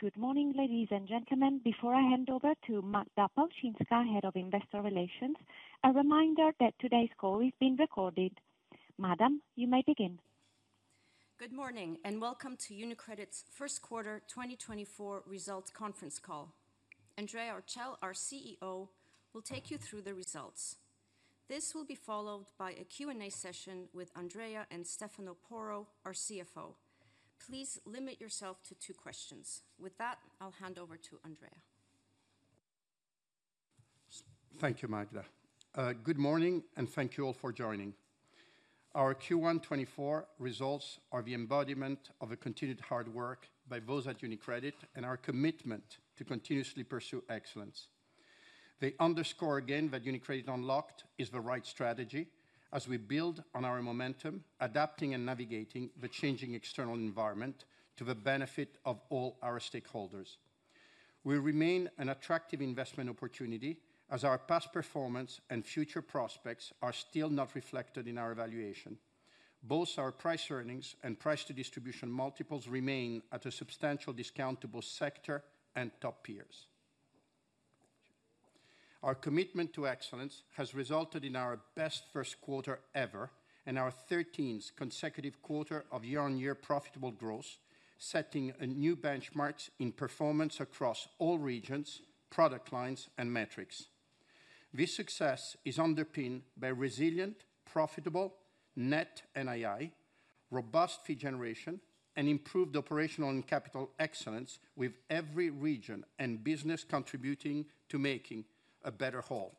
Good morning, ladies and gentlemen. Before I hand over to Magda Palczynska, Head of Investor Relations, a reminder that today's call is being recorded. Madam, you may begin. Good morning and welcome to UniCredit's first quarter 2024 results conference call. Andrea Orcel, our CEO, will take you through the results. This will be followed by a Q&A session with Andrea and Stefano Porro, our CFO. Please limit yourself to two questions. With that, I'll hand over to Andrea. Thank you, Magda. Good morning and thank you all for joining. Our Q1 2024 results are the embodiment of the continued hard work by those at UniCredit and our commitment to continuously pursue excellence. They underscore again that UniCredit Unlocked is the right strategy as we build on our momentum, adapting and navigating the changing external environment to the benefit of all our stakeholders. We remain an attractive investment opportunity as our past performance and future prospects are still not reflected in our evaluation. Both our price earnings and price-to-distribution multiples remain at a substantial discount to both sector and top peers. Our commitment to excellence has resulted in our best first quarter ever and our 13th consecutive quarter of year-on-year profitable growth, setting new benchmarks in performance across all regions, product lines, and metrics. This success is underpinned by resilient, profitable net NII, robust fee generation, and improved operational and capital excellence with every region and business contributing to making a better whole.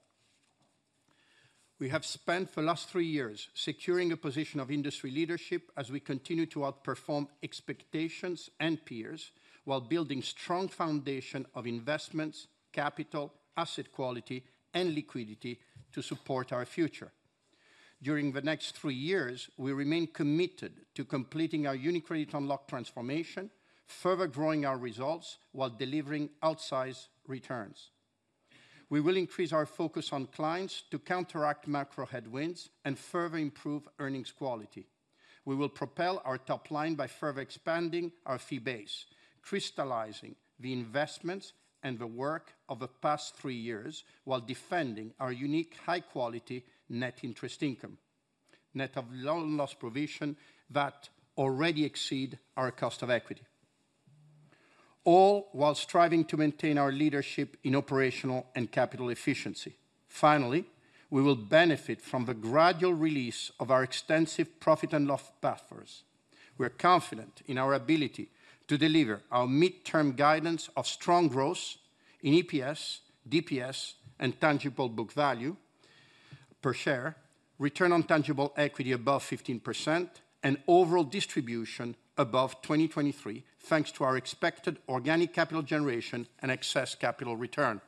We have spent the last three years securing a position of industry leadership as we continue to outperform expectations and peers while building a strong foundation of investments, capital, asset quality, and liquidity to support our future. During the next three years, we remain committed to completing our UniCredit Unlocked transformation, further growing our results while delivering outsized returns. We will increase our focus on clients to counteract macro headwinds and further improve earnings quality. We will propel our top line by further expanding our fee base, crystallizing the investments and the work of the past three years while defending our unique high-quality net interest income, net of loan loss provision that already exceeds our cost of equity. All while striving to maintain our leadership in operational and capital efficiency. Finally, we will benefit from the gradual release of our extensive profit and loss pathways. We are confident in our ability to deliver our mid-term guidance of strong growth in EPS, DPS, and tangible book value per share, return on tangible equity above 15%, and overall distribution above 2023 thanks to our expected organic capital generation and excess capital return.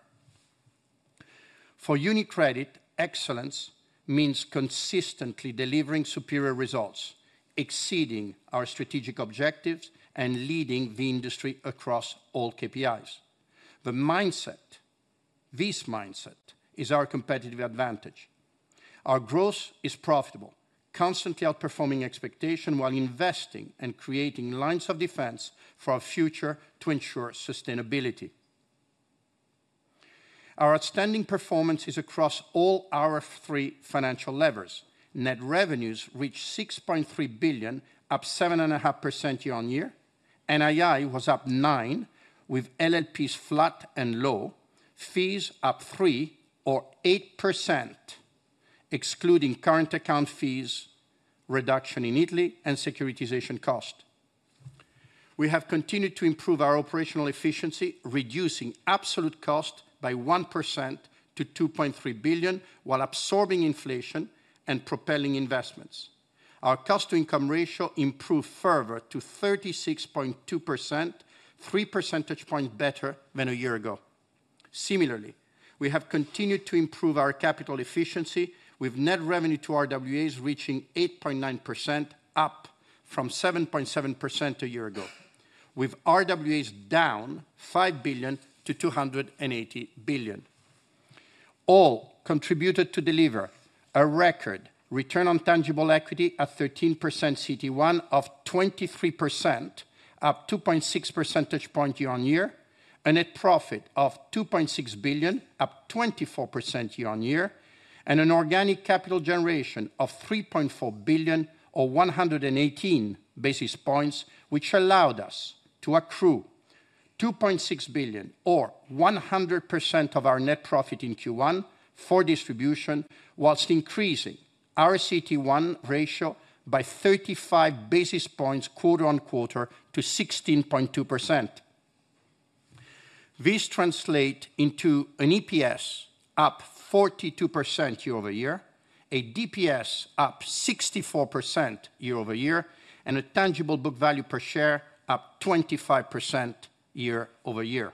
For UniCredit, excellence means consistently delivering superior results, exceeding our strategic objectives, and leading the industry across all KPIs. The mindset, this mindset, is our competitive advantage. Our growth is profitable, constantly outperforming expectations while investing and creating lines of defense for our future to ensure sustainability. Our outstanding performance is across all our three financial levers. Net revenues reached 6.3 billion, up 7.5% year-on-year. NII was up 9%, with LLPs flat and low. Fees up 3%, or 8%, excluding current account fees, reduction in Italy, and securitization cost. We have continued to improve our operational efficiency, reducing absolute cost by 1% to 2.3 billion while absorbing inflation and propelling investments. Our cost-to-income ratio improved further to 36.2%, three percentage points better than a year ago. Similarly, we have continued to improve our capital efficiency, with net revenue to RWAs reaching 8.9%, up from 7.7% a year ago, with RWAs down 5 billion-280 billion. All contributed to deliver a record return on tangible equity at 13% CET1 of 23%, up 2.6 percentage points year-over-year, a net profit of 2.6 billion, up 24% year-over-year, and an organic capital generation of 3.4 billion, or 118 basis points, which allowed us to accrue 2.6 billion, or 100% of our net profit in Q1 for distribution while increasing our CET1 ratio by 35 basis points quarter-over-quarter to 16.2%. This translates into an EPS up 42% year-over-year, a DPS up 64% year-over-year, and a tangible book value per share up 25% year-over-year.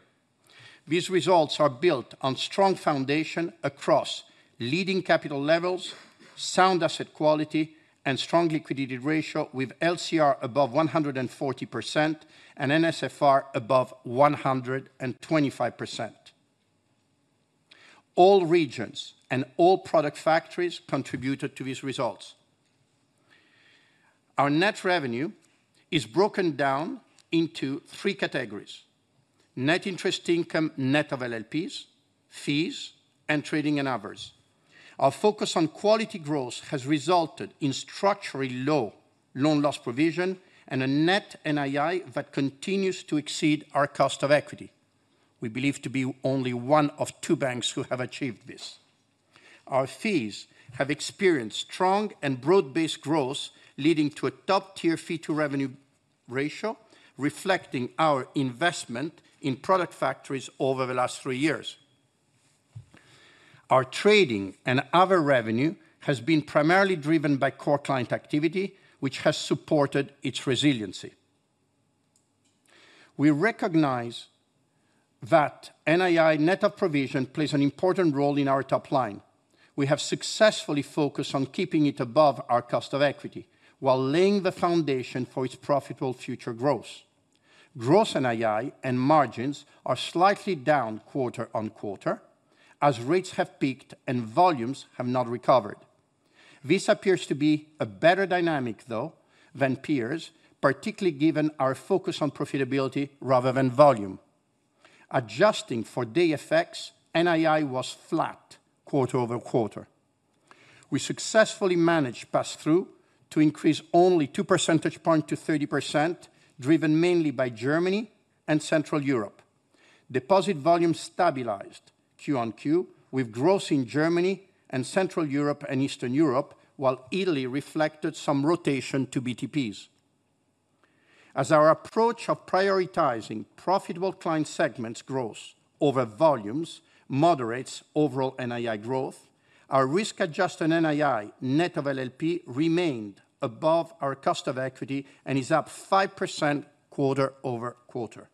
These results are built on a strong foundation across leading capital levels, sound asset quality, and strong liquidity ratio with LCR above 140% and NSFR above 125%. All regions and all product factories contributed to these results. Our net revenue is broken down into three categories: net interest income net of LLPs, fees, and trading and others. Our focus on quality growth has resulted in structurally low loan loss provision and a net NII that continues to exceed our cost of equity. We believe to be only one of two banks who have achieved this. Our fees have experienced strong and broad-based growth, leading to a top-tier fee-to-revenue ratio reflecting our investment in product factories over the last three years. Our trading and other revenue have been primarily driven by core client activity, which has supported its resiliency. We recognize that NII net of provision plays an important role in our top line. We have successfully focused on keeping it above our cost of equity while laying the foundation for its profitable future growth. Gross NII and margins are slightly down quarter-over-quarter as rates have peaked and volumes have not recovered. This appears to be a better dynamic, though, than peers, particularly given our focus on profitability rather than volume. Adjusting for the FX, NII was flat quarter-over-quarter. We successfully managed pass-through to increase only 2 percentage points to 30%, driven mainly by Germany and Central Europe. Deposit volumes stabilized Q-over-Q with growth in Germany and Central Europe and Eastern Europe, while Italy reflected some rotation to BTPs. As our approach of prioritizing profitable client segments growth over volumes moderates overall NII growth, our risk-adjusted NII net of LLP remained above our cost of equity and is up 5% quarter-over-quarter.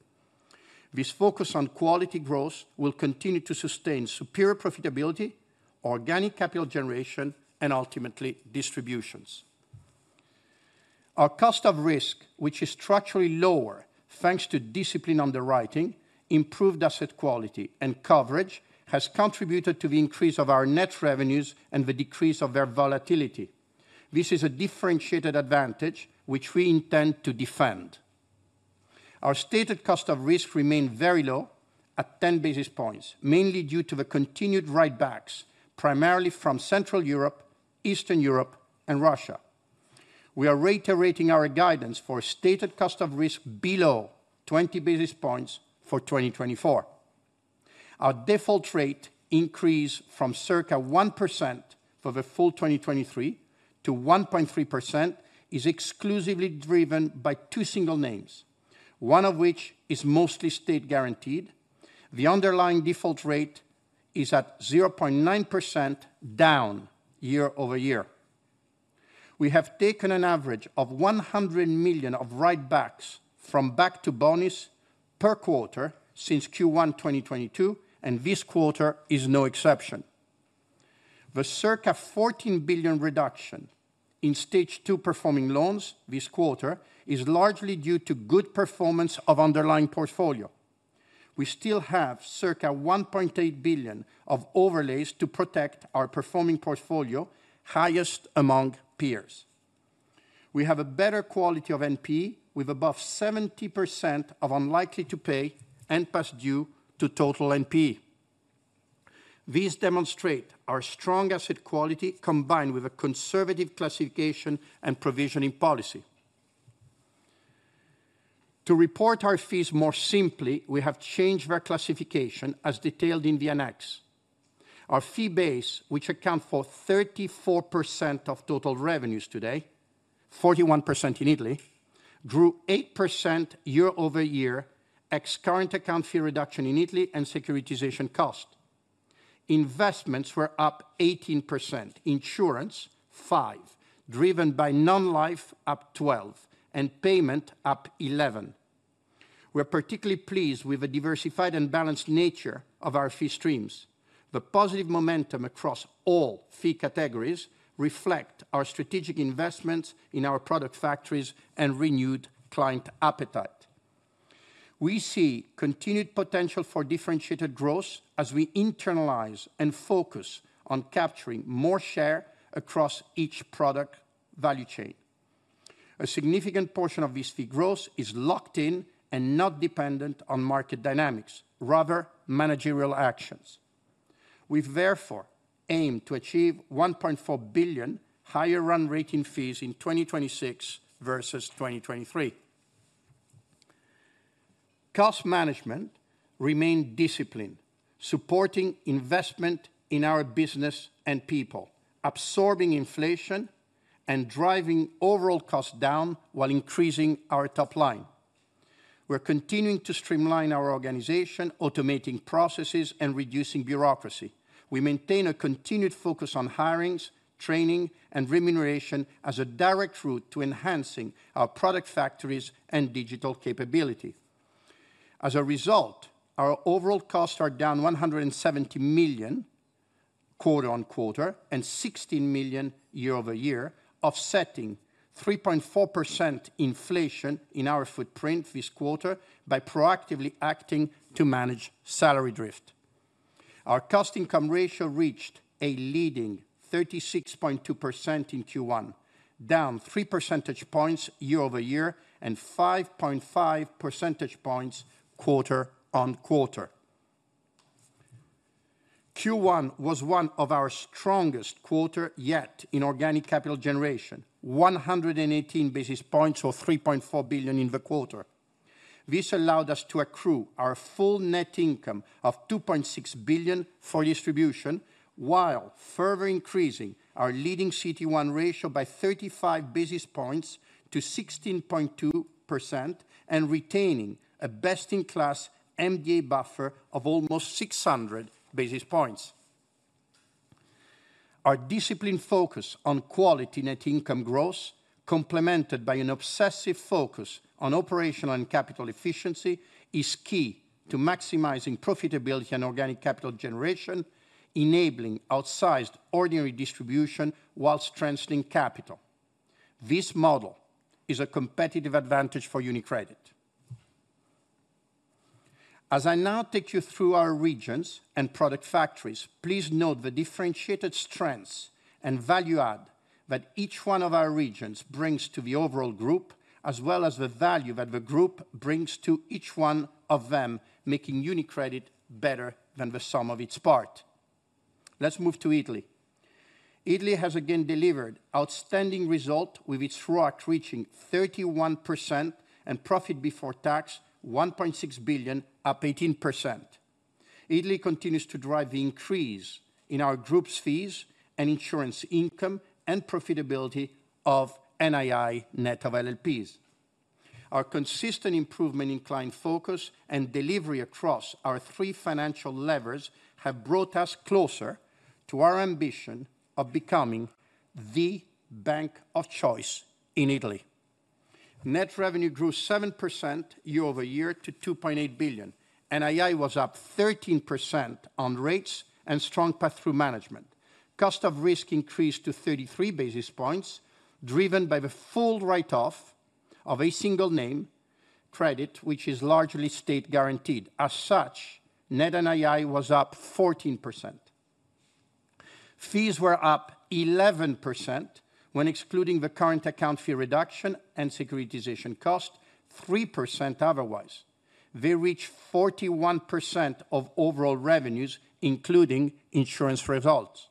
This focus on quality growth will continue to sustain superior profitability, organic capital generation, and ultimately distributions. Our cost of risk, which is structurally lower thanks to discipline on the writing, improved asset quality, and coverage has contributed to the increase of our net revenues and the decrease of their volatility. This is a differentiated advantage which we intend to defend. Our stated cost of risk remained very low, at 10 basis points, mainly due to the continued writebacks primarily from Central Europe, Eastern Europe, and Russia. We are reiterating our guidance for a stated cost of risk below 20 basis points for 2024. Our default rate increase from circa 1% for the full 2023 to 1.3% is exclusively driven by two single names, one of which is mostly state-guaranteed. The underlying default rate is at 0.9% down year-over-year. We have taken an average of 100 million of writebacks from back-to-bonis per quarter since Q1 2022, and this quarter is no exception. The circa 14 billion reduction in stage two performing loans this quarter is largely due to good performance of underlying portfolio. We still have circa 1.8 billion of overlays to protect our performing portfolio, highest among peers. We have a better quality of NPE with above 70% of unlikely-to-pay and past due to total NPE. These demonstrate our strong asset quality combined with a conservative classification and provisioning policy. To report our fees more simply, we have changed our classification as detailed in the annex. Our fee base, which accounts for 34% of total revenues today, 41% in Italy, grew 8% year-over-year ex-current account fee reduction in Italy and securitization cost. Investments were up 18%, insurance 5%, driven by non-life up 12%, and payment up 11%. We are particularly pleased with the diversified and balanced nature of our fee streams. The positive momentum across all fee categories reflects our strategic investments in our product factories and renewed client appetite. We see continued potential for differentiated growth as we internalize and focus on capturing more share across each product value chain. A significant portion of this fee growth is locked in and not dependent on market dynamics, rather managerial actions. We've therefore aimed to achieve 1.4 billion higher run rate in fees in 2026 versus 2023. Cost management remained disciplined, supporting investment in our business and people, absorbing inflation, and driving overall costs down while increasing our top line. We're continuing to streamline our organization, automating processes, and reducing bureaucracy. We maintain a continued focus on hirings, training, and remuneration as a direct route to enhancing our product factories and digital capability. As a result, our overall costs are down 170 million quarter-over-quarter and 16 million year-over-year, offsetting 3.4% inflation in our footprint this quarter by proactively acting to manage salary drift. Our cost-income ratio reached a leading 36.2% in Q1, down 3 percentage points year-over-year and 5.5 percentage points quarter-over-quarter. Q1 was one of our strongest quarters yet in organic capital generation, 118 basis points or 3.4 billion in the quarter. This allowed us to accrue our full net income of 2.6 billion for distribution while further increasing our leading CET1 ratio by 35 basis points to 16.2% and retaining a best-in-class MDA buffer of almost 600 basis points. Our disciplined focus on quality net income growth, complemented by an obsessive focus on operational and capital efficiency, is key to maximizing profitability and organic capital generation, enabling outsized ordinary distribution while transferring capital. This model is a competitive advantage for UniCredit. As I now take you through our regions and product factories, please note the differentiated strengths and value add that each one of our regions brings to the overall group as well as the value that the group brings to each one of them, making UniCredit better than the sum of its part. Let's move to Italy. Italy has again delivered outstanding results with its ROAC reaching 31% and profit before tax 1.6 billion, up 18%. Italy continues to drive the increase in our group's fees and insurance income and profitability of NII net of LLPs. Our consistent improvement in client focus and delivery across our three financial levers have brought us closer to our ambition of becoming the bank of choice in Italy. Net revenue grew 7% year-over-year to 2.8 billion. NII was up 13% on rates and strong pass-through management. Cost of risk increased to 33 basis points, driven by the full write-off of a single name credit, which is largely state-guaranteed. As such, net NII was up 14%. Fees were up 11% when excluding the current account fee reduction and securitization cost, 3% otherwise. They reached 41% of overall revenues, including insurance results.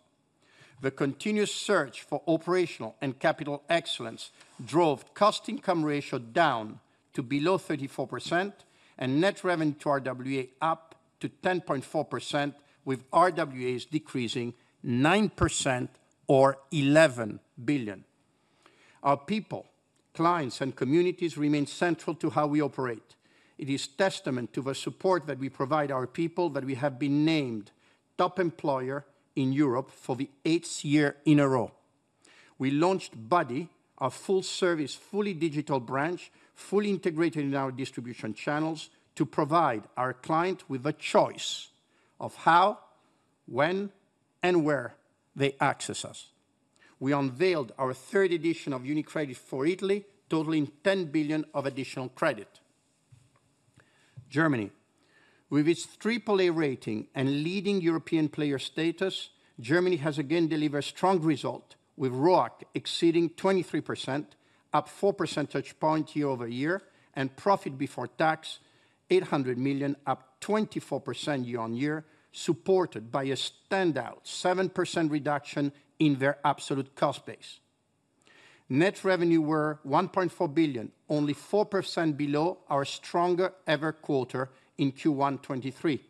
The continuous search for operational and capital excellence drove cost-income ratio down to below 34% and net revenue to RWA up to 10.4%, with RWAs decreasing 9% or 11 billion. Our people, clients, and communities remain central to how we operate. It is testament to the support that we provide our people that we have been named top employer in Europe for the eighth year in a row. We launched buddy, a full-service, fully digital branch fully integrated in our distribution channels to provide our client with a choice of how, when, and where they access us. We unveiled our third edition of UniCredit for Italy, totaling 10 billion of additional credit. Germany. With its AAA rating and leading European player status, Germany has again delivered strong results with ROAC exceeding 23%, up 4 percentage points year-over-year, and profit before tax 800 million, up 24% year-on-year, supported by a standout 7% reduction in their absolute cost base. Net revenue was 1.4 billion, only 4% below our stronger-ever quarter in Q1 2023.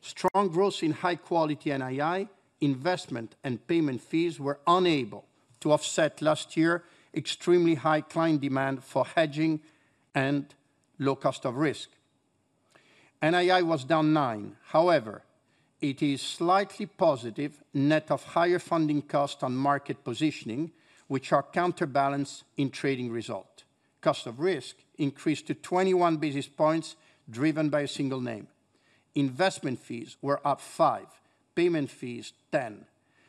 Strong growth in high-quality NII investment and payment fees was unable to offset last year's extremely high client demand for hedging and low cost of risk. NII was down 9%. However, it is slightly positive net of higher funding costs on market positioning, which are counterbalanced in trading result. Cost of risk increased to 21 basis points, driven by a single name. Investment fees were up 5%, payment fees 10%.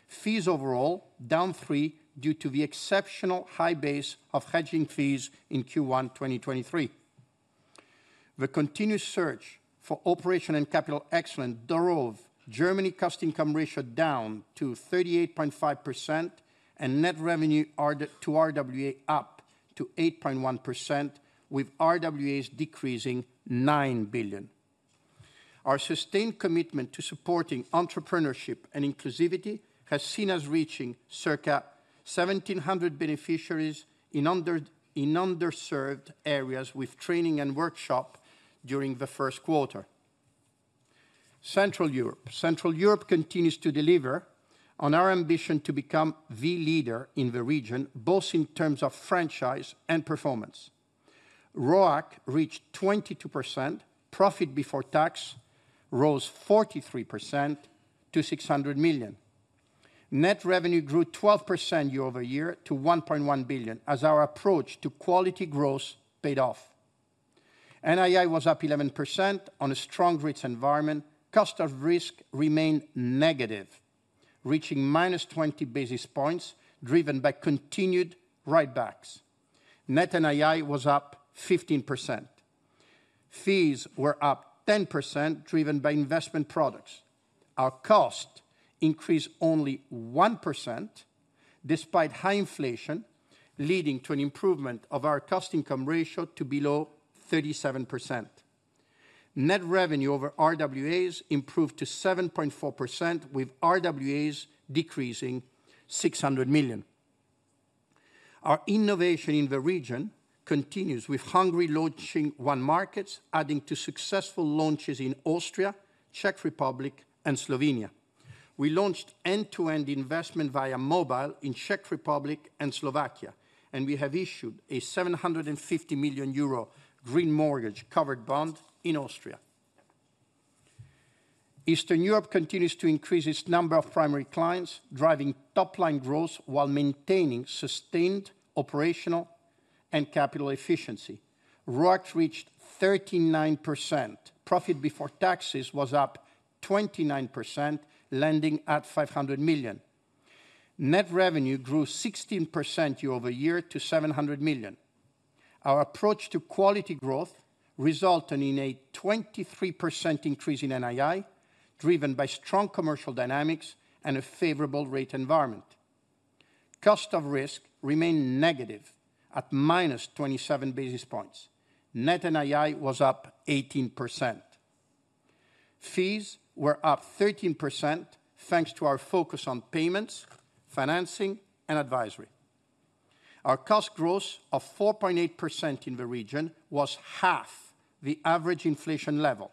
Fees overall down 3% due to the exceptional high base of hedging fees in Q1 2023. The continuous search for operational and capital excellence drove Germany's cost-income ratio down to 38.5% and net revenue to RWA up to 8.1%, with RWAs decreasing 9 billion. Our sustained commitment to supporting entrepreneurship and inclusivity has seen us reaching circa 1,700 beneficiaries in underserved areas with training and workshops during the first quarter. Central Europe. Central Europe continues to deliver on our ambition to become the leader in the region, both in terms of franchise and performance. ROAC reached 22%, profit before tax rose 43% to 600 million. Net revenue grew 12% year-over-year to 1.1 billion as our approach to quality growth paid off. NII was up 11% on a strong risk environment. Cost of risk remained negative, reaching -20 basis points, driven by continued writebacks. Net NII was up 15%. Fees were up 10%, driven by investment products. Our cost increased only 1% despite high inflation, leading to an improvement of our cost-income ratio to below 37%. Net revenue over RWAs improved to 7.4%, with RWAs decreasing 600 million. Our innovation in the region continues, with Hungary launching onemarkets, adding to successful launches in Austria, Czech Republic, and Slovenia. We launched end-to-end investment via mobile in Czech Republic and Slovakia, and we have issued a 750 million euro green mortgage covered bond in Austria. Eastern Europe continues to increase its number of primary clients, driving top-line growth while maintaining sustained operational and capital efficiency. ROAC reached 39%, profit before taxes was up 29%, landing at 500 million. Net revenue grew 16% year-over-year to 700 million. Our approach to quality growth resulted in a 23% increase in NII, driven by strong commercial dynamics and a favorable rate environment. Cost of risk remained negative, at -27 basis points. Net NII was up 18%. Fees were up 13% thanks to our focus on payments, financing, and advisory. Our cost growth of 4.8% in the region was half the average inflation level,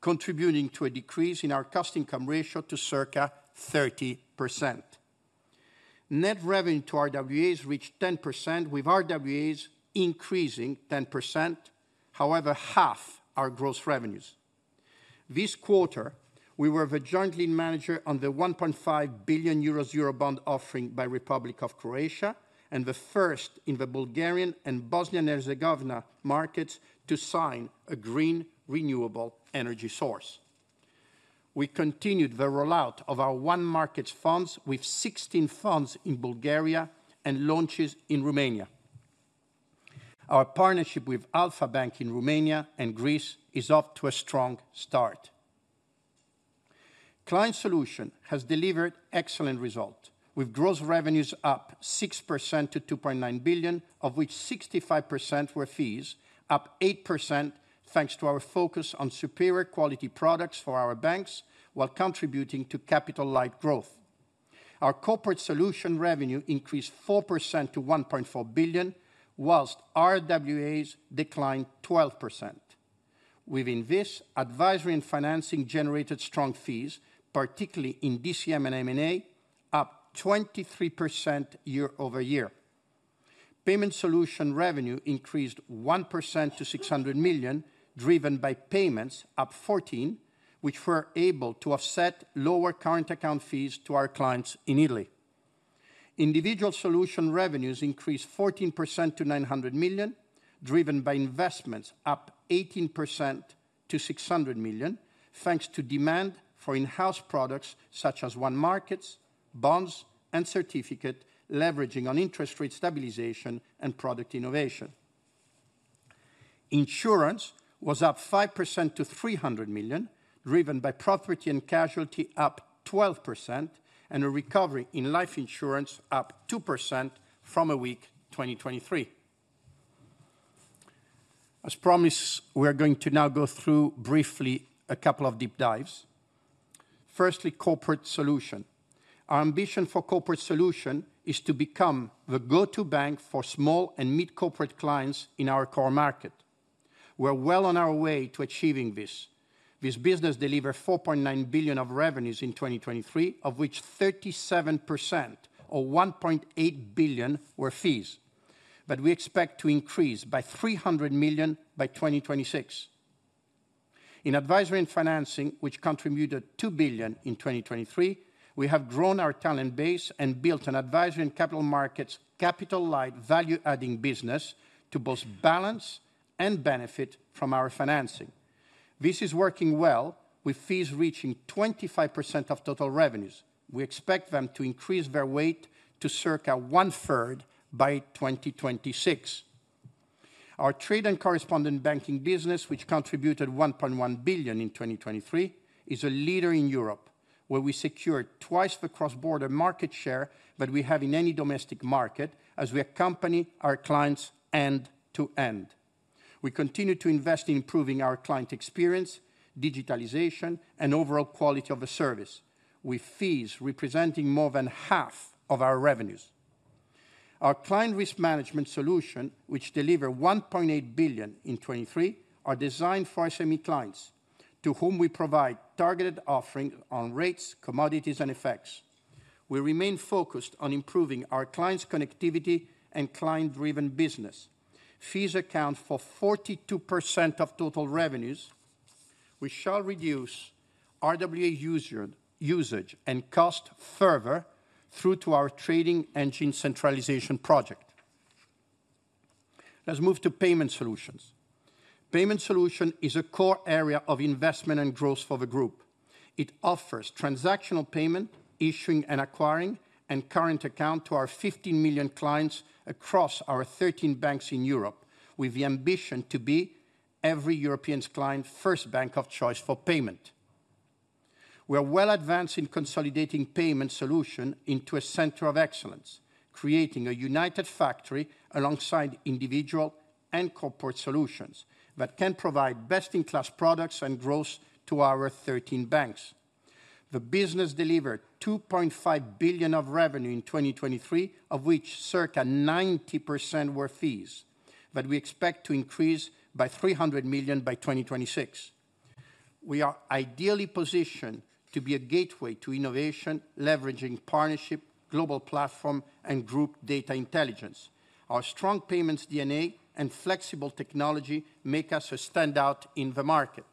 contributing to a decrease in our cost-income ratio to circa 30%. Net revenue to RWAs reached 10%, with RWAs increasing 10%. However, half are gross revenues. This quarter, we were the joint lead manager on the 1.5 billion euros eurobond offering by the Republic of Croatia and the first in the Bulgarian and Bosnia and Herzegovina markets to sign a green renewable energy source. We continued the rollout of our one markets funds with 16 funds in Bulgaria and launches in Romania. Our partnership with Alpha Bank in Romania and Greece is off to a strong start. Client Solutions has delivered excellent results, with gross revenues up 6% to 2.9 billion, of which 65% were fees, up 8% thanks to our focus on superior quality products for our banks while contributing to capital-light growth. Our Corporate Solutions revenue increased 4% to 1.4 billion, while RWAs declined 12%. Within this, advisory and financing generated strong fees, particularly in DCM and M&A, up 23% year-over-year. Payment Solutions revenue increased 1% to 600 million, driven by payments, up 14%, which were able to offset lower current account fees to our clients in Italy. Individual Solutions revenues increased 14% to 900 million, driven by investments, up 18% to 600 million, thanks to demand for in-house products such as onemarkets, bonds, and certificates, leveraging on interest rate stabilization and product innovation. Insurance was up 5% to 300 million, driven by property and casualty, up 12%, and a recovery in life insurance, up 2% from a weak 2023. As promised, we are going to now go through briefly a couple of deep dives. Firstly, Corporate Solutions. Our ambition for Corporate Solutions is to become the go-to bank for small and mid-corporate clients in our core market. We're well on our way to achieving this. This business delivered 4.9 billion of revenues in 2023, of which 37% or 1.8 billion were fees. But we expect to increase by 300 million by 2026. In advisory and financing, which contributed 2 billion in 2023, we have grown our talent base and built an advisory and capital markets capital-light value-adding business to both balance and benefit from our financing. This is working well, with fees reaching 25% of total revenues. We expect them to increase their weight to circa one-third by 2026. Our trade and correspondent banking business, which contributed 1.1 billion in 2023, is a leader in Europe, where we secured twice the cross-border market share that we have in any domestic market as we accompany our clients end to end. We continue to invest in improving our client experience, digitalization, and overall quality of the service, with fees representing more than half of our revenues. Our client risk management solution, which delivered 1.8 billion in 2023, is designed for SME clients, to whom we provide targeted offerings on rates, commodities, and FX. We remain focused on improving our clients' connectivity and client-driven business. Fees account for 42% of total revenues. We shall reduce RWA usage and cost further through to our trading engine centralization project. Let's move to Payment Solutions. Payment Solutions is a core area of investment and growth for the group. It offers transactional payment, issuing and acquiring, and current account to our 15 million clients across our 13 banks in Europe, with the ambition to be every European's client's first bank of choice for payment. We are well advanced in consolidating Payment Solutions into a center of excellence, creating a united factory alongside individual and Corporate Solutions that can provide best-in-class products and growth to our 13 banks. The business delivered 2.5 billion of revenue in 2023, of which circa 90% were fees, that we expect to increase by 300 million by 2026. We are ideally positioned to be a gateway to innovation, leveraging partnership, global platform, and group data intelligence. Our strong payments DNA and flexible technology make us a standout in the market.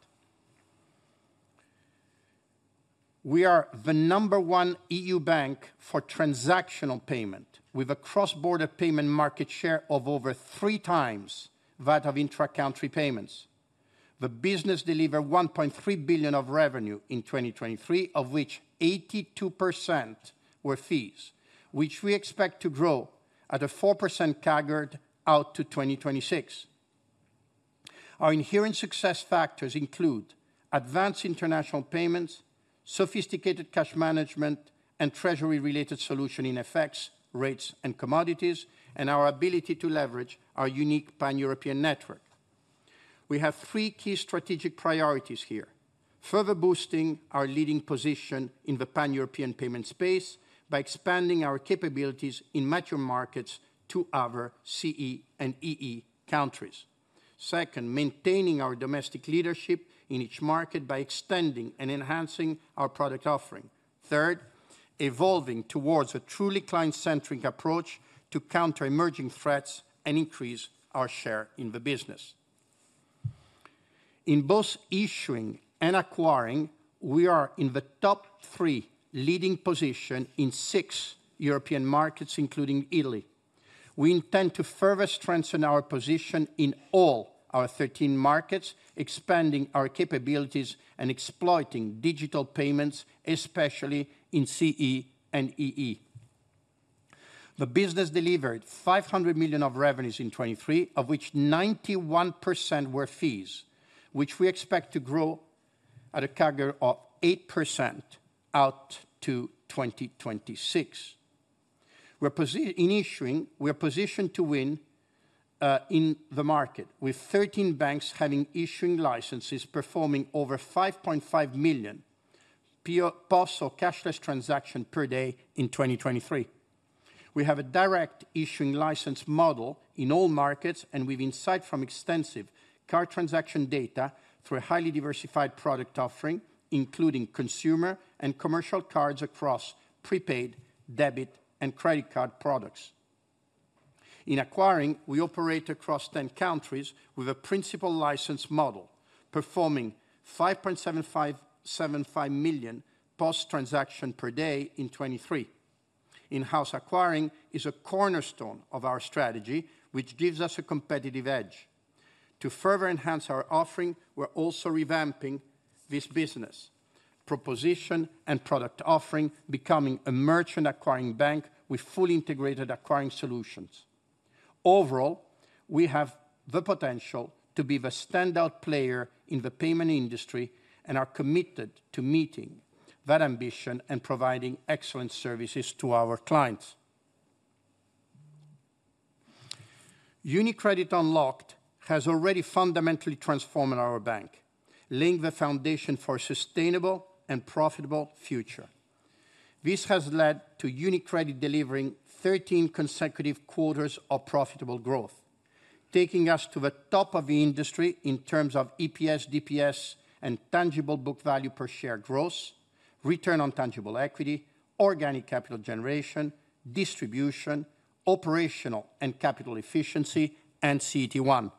We are the number one EU bank for transactional payment, with a cross-border payment market share of over three times that of intra-country payments. The business delivered 1.3 billion of revenue in 2023, of which 82% were fees, which we expect to grow at a 4% CAGR out to 2026. Our inherent success factors include advanced international payments, sophisticated cash management, and treasury-related solution in FX, rates, and commodities, and our ability to leverage our unique pan-European network. We have three key strategic priorities here: further boosting our leading position in the pan-European payment space by expanding our capabilities in mature markets to other CE and EE countries; second, maintaining our domestic leadership in each market by extending and enhancing our product offering; third, evolving towards a truly client-centric approach to counter emerging threats and increase our share in the business. In both issuing and acquiring, we are in the top three leading positions in six European markets, including Italy. We intend to further strengthen our position in all our 13 markets, expanding our capabilities and exploiting digital payments, especially in CE and EE. The business delivered 500 million of revenues in 2023, of which 91% were fees, which we expect to grow at a CAGR of 8% out to 2026. We are positioned to win in the market, with 13 banks having issuing licenses performing over 5.5 million POS cashless transactions per day in 2023. We have a direct issuing license model in all markets, and we have insight from extensive card transaction data through a highly diversified product offering, including consumer and commercial cards across prepaid, debit, and credit card products. In acquiring, we operate across 10 countries with a principal license model, performing 5.75 million POS transactions per day in 2023. In-house acquiring is a cornerstone of our strategy, which gives us a competitive edge. To further enhance our offering, we're also revamping this business proposition and product offering, becoming a merchant-acquiring bank with fully integrated acquiring solutions. Overall, we have the potential to be the standout player in the payment industry and are committed to meeting that ambition and providing excellent services to our clients. UniCredit Unlocked has already fundamentally transformed our bank, laying the foundation for a sustainable and profitable future. This has led to UniCredit delivering 13 consecutive quarters of profitable growth, taking us to the top of the industry in terms of EPS, DPS, and tangible book value per share growth, return on tangible equity, organic capital generation, distribution, operational and capital efficiency, and CET1.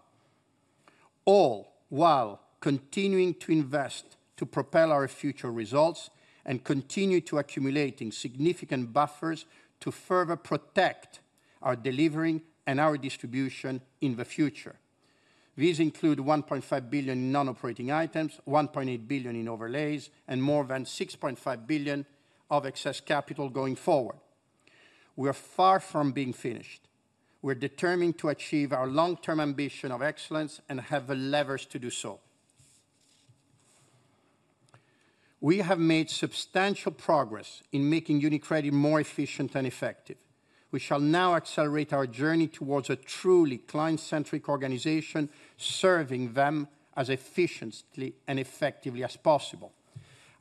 All while continuing to invest to propel our future results and continue to accumulate significant buffers to further protect our delivering and our distribution in the future. This includes 1.5 billion in non-operating items, 1.8 billion in overlays, and more than 6.5 billion of excess capital going forward. We are far from being finished. We are determined to achieve our long-term ambition of excellence and have the levers to do so. We have made substantial progress in making UniCredit more efficient and effective. We shall now accelerate our journey towards a truly client-centric organization, serving them as efficiently and effectively as possible.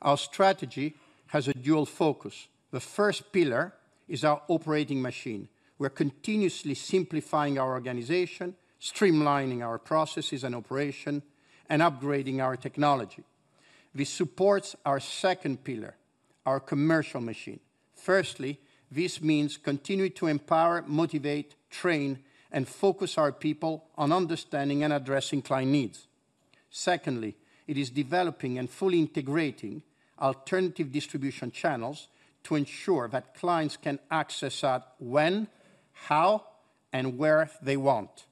Our strategy has a dual focus. The first pillar is our operating machine. We are continuously simplifying our organization, streamlining our processes and operation, and upgrading our technology. This supports our second pillar, our commercial machine. Firstly, this means continuing to empower, motivate, train, and focus our people on understanding and addressing client needs. Secondly, it is developing and fully integrating alternative distribution channels to ensure that clients can access that when, how, and where they want.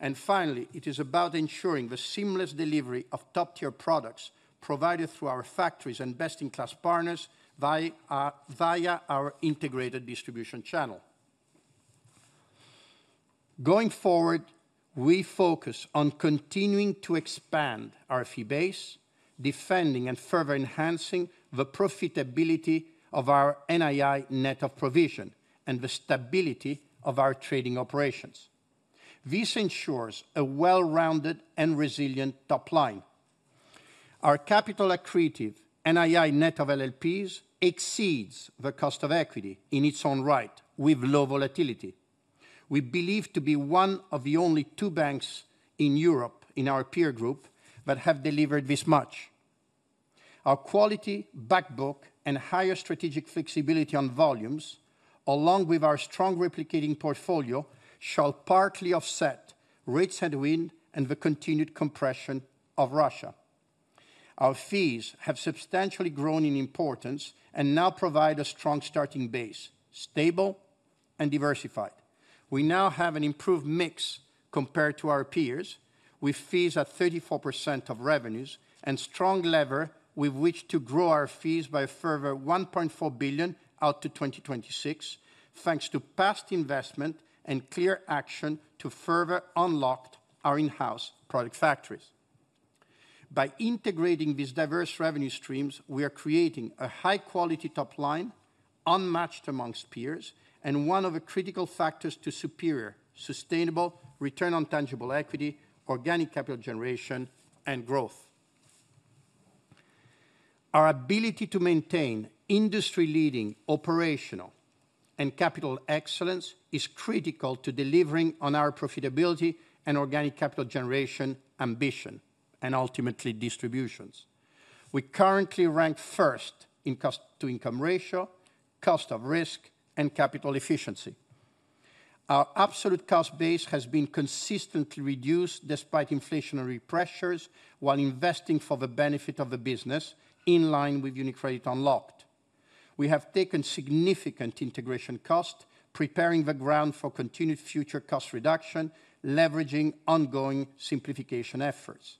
And finally, it is about ensuring the seamless delivery of top-tier products provided through our factories and best-in-class partners via our integrated distribution channel. Going forward, we focus on continuing to expand our fee base, defending and further enhancing the profitability of our NII net of provision and the stability of our trading operations. This ensures a well-rounded and resilient top line. Our capital accretive NII net of LLPs exceeds the cost of equity in its own right, with low volatility. We believe to be one of the only two banks in Europe in our peer group that have delivered this much. Our quality backbook and higher strategic flexibility on volumes, along with our strong replicating portfolio, shall partly offset rates and wind and the continued compression of Russia. Our fees have substantially grown in importance and now provide a strong starting base, stable and diversified. We now have an improved mix compared to our peers, with fees at 34% of revenues and strong levers with which to grow our fees by further 1.4 billion out to 2026, thanks to past investment and clear action to further unlock our in-house product factories. By integrating these diverse revenue streams, we are creating a high-quality top line, unmatched amongst peers, and one of the critical factors to superior sustainable return on tangible equity, organic capital generation, and growth. Our ability to maintain industry-leading operational and capital excellence is critical to delivering on our profitability and organic capital generation ambition and ultimately distributions. We currently rank first in cost-to-income ratio, cost of risk, and capital efficiency. Our absolute cost base has been consistently reduced despite inflationary pressures while investing for the benefit of the business in line with UniCredit Unlocked. We have taken significant integration costs, preparing the ground for continued future cost reduction, leveraging ongoing simplification efforts.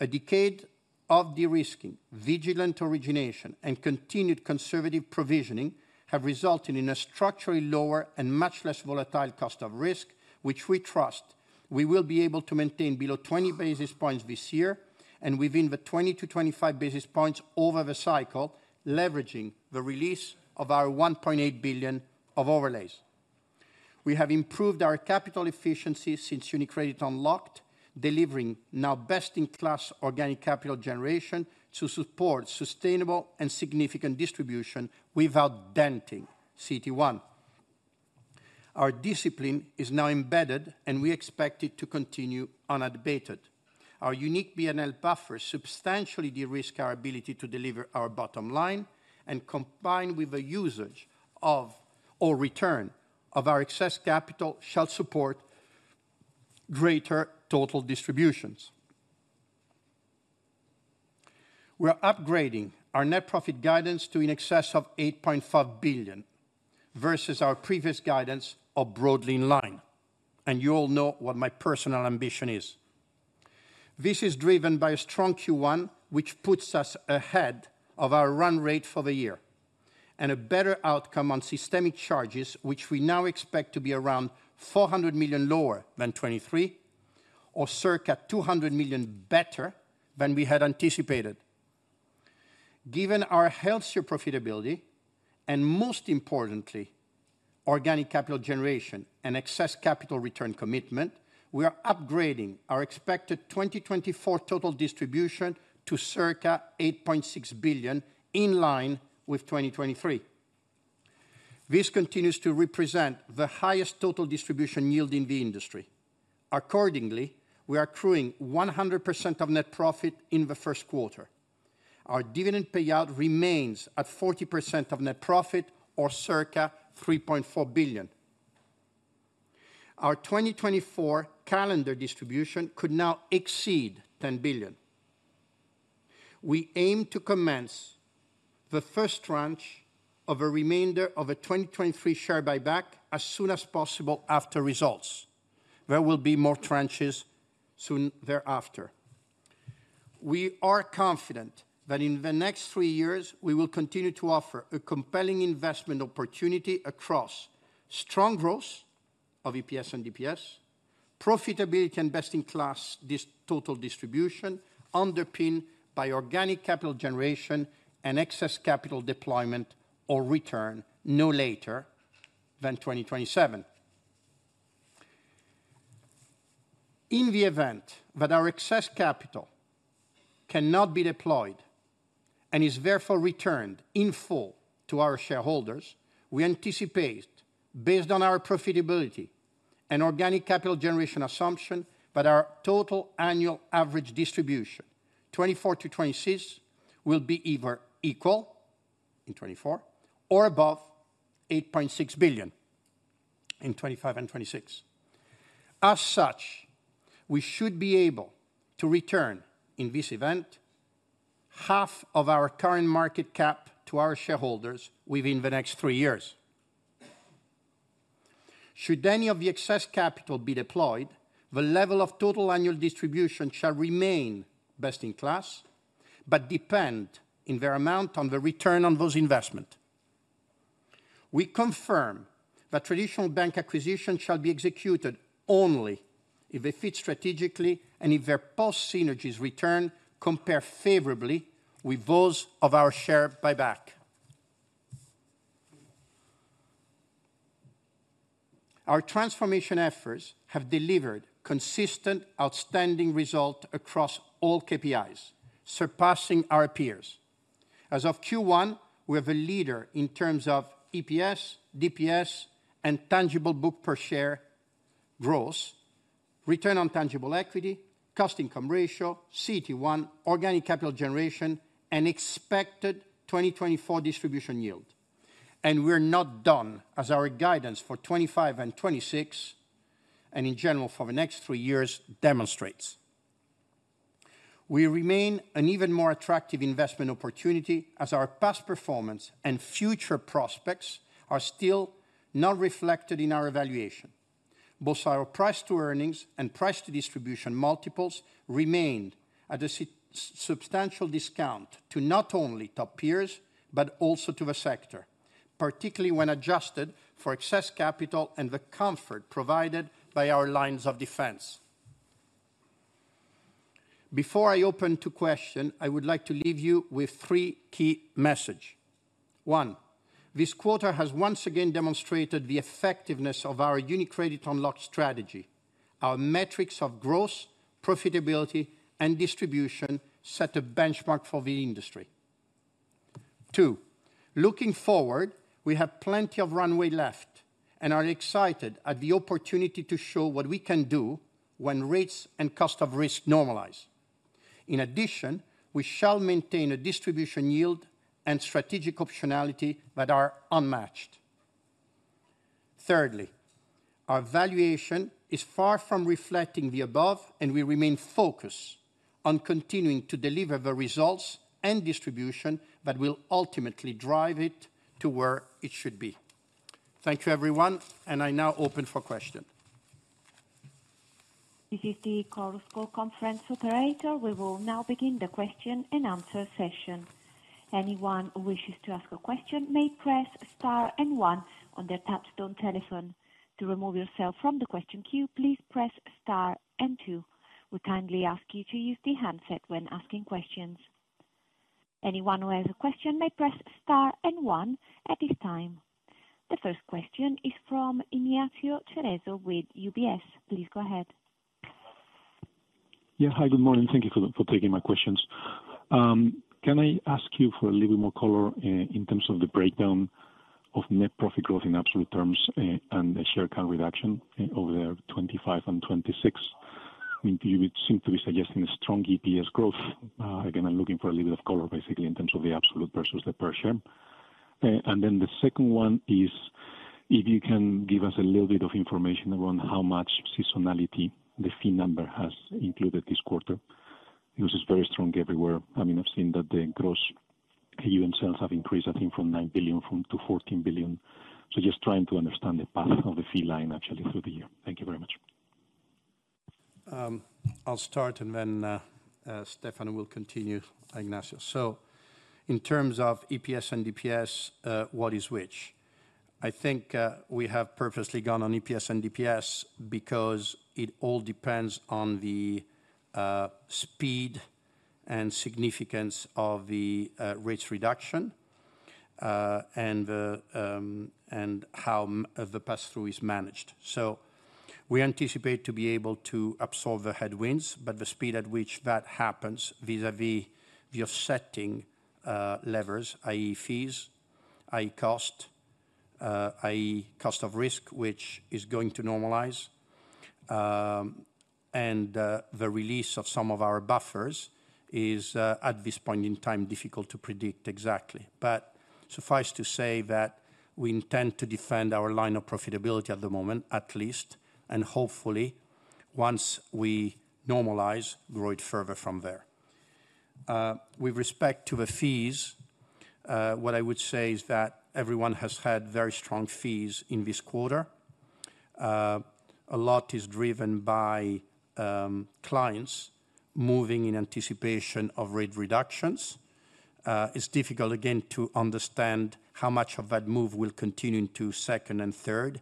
A decade of de-risking, vigilant origination, and continued conservative provisioning have resulted in a structurally lower and much less volatile cost of risk, which we trust we will be able to maintain below 20 basis points this year and within the 20-25 basis points over the cycle, leveraging the release of our 1.8 billion of overlays. We have improved our capital efficiency since UniCredit Unlocked, delivering now best-in-class organic capital generation to support sustainable and significant distribution without denting CET1. Our discipline is now embedded, and we expect it to continue unabated. Our unique P&L buffers substantially de-risk our ability to deliver our bottom line, and combined with the usage of or return of our excess capital, shall support greater total distributions. We are upgrading our net profit guidance to an excess of 8.5 billion versus our previous guidance of broadly in line. You all know what my personal ambition is. This is driven by a strong Q1, which puts us ahead of our run rate for the year and a better outcome on systemic charges, which we now expect to be around 400 million lower than 2023 or circa 200 million better than we had anticipated. Given our healthier profitability and, most importantly, organic capital generation and excess capital return commitment, we are upgrading our expected 2024 total distribution to circa 8.6 billion in line with 2023. This continues to represent the highest total distribution yield in the industry. Accordingly, we are accruing 100% of net profit in the first quarter. Our dividend payout remains at 40% of net profit or circa 3.4 billion. Our 2024 calendar distribution could now exceed 10 billion. We aim to commence the first tranche of a remainder of a 2023 share buyback as soon as possible after results. There will be more tranches soon thereafter. We are confident that in the next three years, we will continue to offer a compelling investment opportunity across strong growth of EPS and DPS, profitability, and best-in-class total distribution underpinned by organic capital generation and excess capital deployment or return, no later than 2027. In the event that our excess capital cannot be deployed and is therefore returned in full to our shareholders, we anticipate, based on our profitability and organic capital generation assumption, that our total annual average distribution 2024 to 2026 will be either equal in 2024 or above 8.6 billion in 2025 and 2026. As such, we should be able to return, in this event, half of our current market cap to our shareholders within the next three years. Should any of the excess capital be deployed, the level of total annual distribution shall remain best-in-class but depend very much on the return on those investments. We confirm that traditional bank acquisition shall be executed only if they fit strategically and if their post-synergies return compare favorably with those of our share buyback. Our transformation efforts have delivered consistent, outstanding results across all KPIs, surpassing our peers. As of Q1, we are a leader in terms of EPS, DPS, and tangible book per share growth, return on tangible equity, cost-income ratio, CET1, organic capital generation, and expected 2024 distribution yield. We are not done, as our guidance for 2025 and 2026 and, in general, for the next three years demonstrates. We remain an even more attractive investment opportunity as our past performance and future prospects are still not reflected in our evaluation. Both our price-to-earnings and price-to-distribution multiples remain at a substantial discount to not only top peers but also to the sector, particularly when adjusted for excess capital and the comfort provided by our lines of defense. Before I open to question, I would like to leave you with three key messages. One, this quarter has once again demonstrated the effectiveness of our UniCredit Unlocked strategy. Our metrics of growth, profitability, and distribution set a benchmark for the industry. Two, looking forward, we have plenty of runway left and are excited at the opportunity to show what we can do when rates and cost of risk normalize. In addition, we shall maintain a distribution yield and strategic optionality that are unmatched. Thirdly, our valuation is far from reflecting the above, and we remain focused on continuing to deliver the results and distribution that will ultimately drive it to where it should be. Thank you, everyone, and I now open for question. Conference operator, we will now begin the question and answer session. Anyone who wishes to ask a question may press star and one on their touchtone telephone. To remove yourself from the question queue, please press star and two. We kindly ask you to use the handset when asking questions. Anyone who has a question may press star and one at this time. The first question is from Ignacio Cerezo with UBS. Please go ahead. Yeah. Hi. Good morning. Thank you for taking my questions. Can I ask you for a little bit more color in terms of the breakdown of net profit growth in absolute terms and the share count reduction over the 2025 and 2026? I mean, you seem to be suggesting a strong EPS growth. Again, I'm looking for a little bit of color, basically, in terms of the absolute versus the per share. And then the second one is if you can give us a little bit of information around how much seasonality the fee number has included this quarter. Because it's very strong everywhere. I mean, I've seen that the gross AUM sales have increased, I think, from 9 billion-14 billion. So just trying to understand the path of the fee line, actually, through the year. Thank you very much. I'll start, and then Stefano will continue, Ignazio. So in terms of EPS and DPS, what is which? I think we have purposely gone on EPS and DPS because it all depends on the speed and significance of the rates reduction and how the pass-through is managed. So we anticipate to be able to absorb the headwinds, but the speed at which that happens vis-à-vis your setting levers, i.e., fees, i.e., cost, i.e., cost of risk, which is going to normalize, and the release of some of our buffers is, at this point in time, difficult to predict exactly. But suffice to say that we intend to defend our line of profitability at the moment, at least, and hopefully, once we normalize, grow it further from there. With respect to the fees, what I would say is that everyone has had very strong fees in this quarter. A lot is driven by clients moving in anticipation of rate reductions. It's difficult, again, to understand how much of that move will continue into second and third.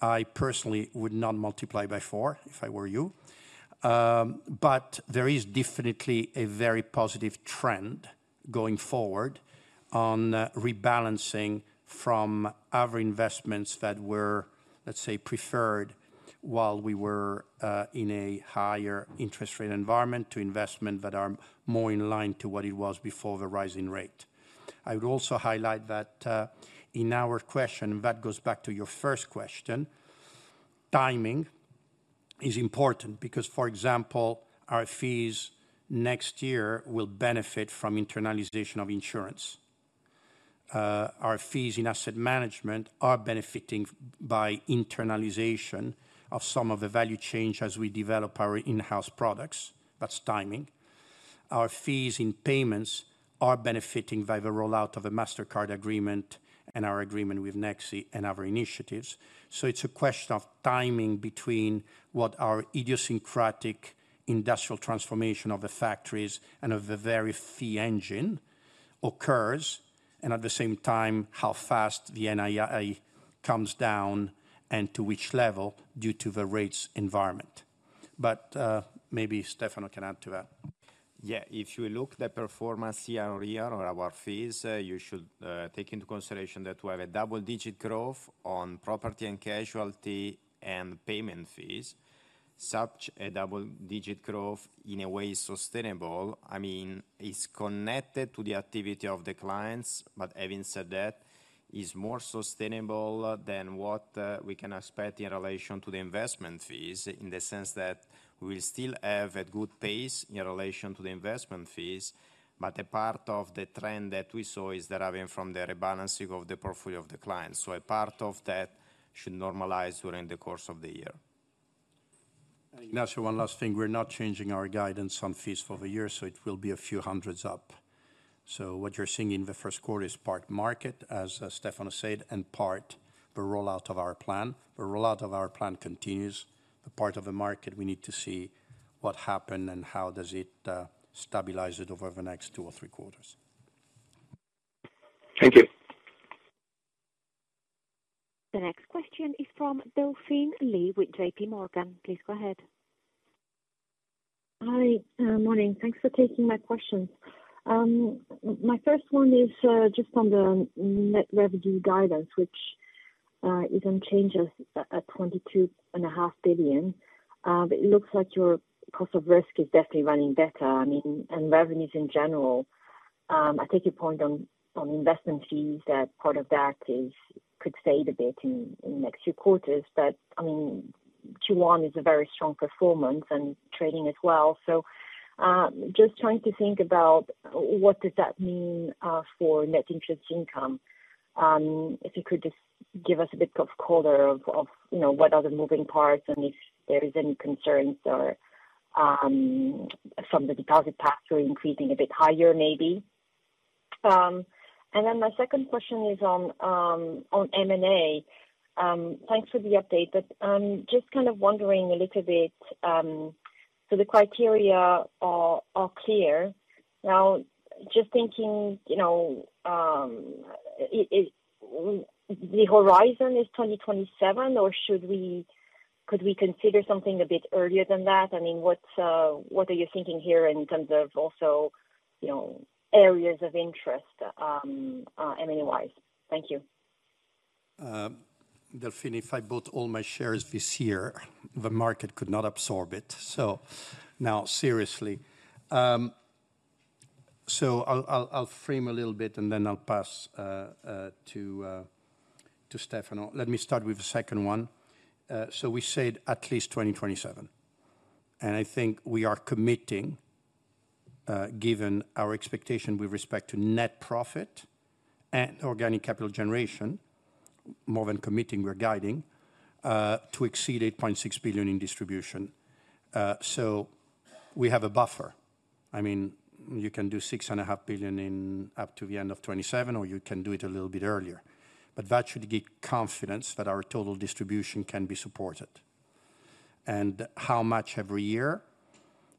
I personally would not multiply by four if I were you. But there is definitely a very positive trend going forward on rebalancing from other investments that were, let's say, preferred while we were in a higher interest rate environment to investments that are more in line to what it was before the rising rate. I would also highlight that in our question, and that goes back to your first question, timing is important because, for example, our fees next year will benefit from internalization of insurance. Our fees in asset management are benefiting by internalization of some of the value change as we develop our in-house products. That's timing. Our fees in payments are benefiting by the rollout of a Mastercard agreement and our agreement with Nexi and other initiatives. So it's a question of timing between what our idiosyncratic industrial transformation of the factories and of the very fee engine occurs and, at the same time, how fast the NII comes down and to which level due to the rates environment. But maybe Stefano can add to that. Yeah. If you look at the performance year-on-year of our fees, you should take into consideration that we have a double-digit growth on property and casualty and payment fees. Such a double-digit growth, in a way, is sustainable. I mean, it's connected to the activity of the clients, but having said that, it's more sustainable than what we can expect in relation to the investment fees in the sense that we will still have a good pace in relation to the investment fees, but a part of the trend that we saw is that, I mean, from the rebalancing of the portfolio of the clients. So a part of that should normalize during the course of the year. Ignazio, one last thing. We're not changing our guidance on fees for the year, so it will be a few hundreds up. So what you're seeing in the first quarter is part market, as Stefano said, and part the rollout of our plan. The rollout of our plan continues. The part of the market, we need to see what happened and how does it stabilize it over the next two or three quarters. Thank you. The next question is from Delphine Lee with JPMorgan. Please go ahead. Hi. Morning. Thanks for taking my questions. My first one is just on the net revenue guidance, which is unchanged at 22.5 billion. But it looks like your cost of risk is definitely running better, I mean, and revenues in general. I take your point on investment fees that part of that could fade a bit in the next few quarters. But, I mean, Q1 is a very strong performance and trading as well. So just trying to think about what does that mean for net interest income. If you could just give us a bit of color of what are the moving parts and if there is any concerns from the deposit pathway increasing a bit higher, maybe. And then my second question is on M&A. Thanks for the update, but I'm just kind of wondering a little bit so the criteria are clear. Now, just thinking, the horizon is 2027, or could we consider something a bit earlier than that? I mean, what are you thinking here in terms of also areas of interest M&A-wise? Thank you. Delphine, if I bought all my shares this year, the market could not absorb it. So now, seriously. So I'll frame a little bit, and then I'll pass to Stefano. Let me start with the second one. So we said at least 2027. And I think we are committing, given our expectation with respect to net profit and organic capital generation, more than committing, we're guiding, to exceed 8.6 billion in distribution. So we have a buffer. I mean, you can do 6.5 billion up to the end of 2027, or you can do it a little bit earlier. But that should give confidence that our total distribution can be supported. How much every year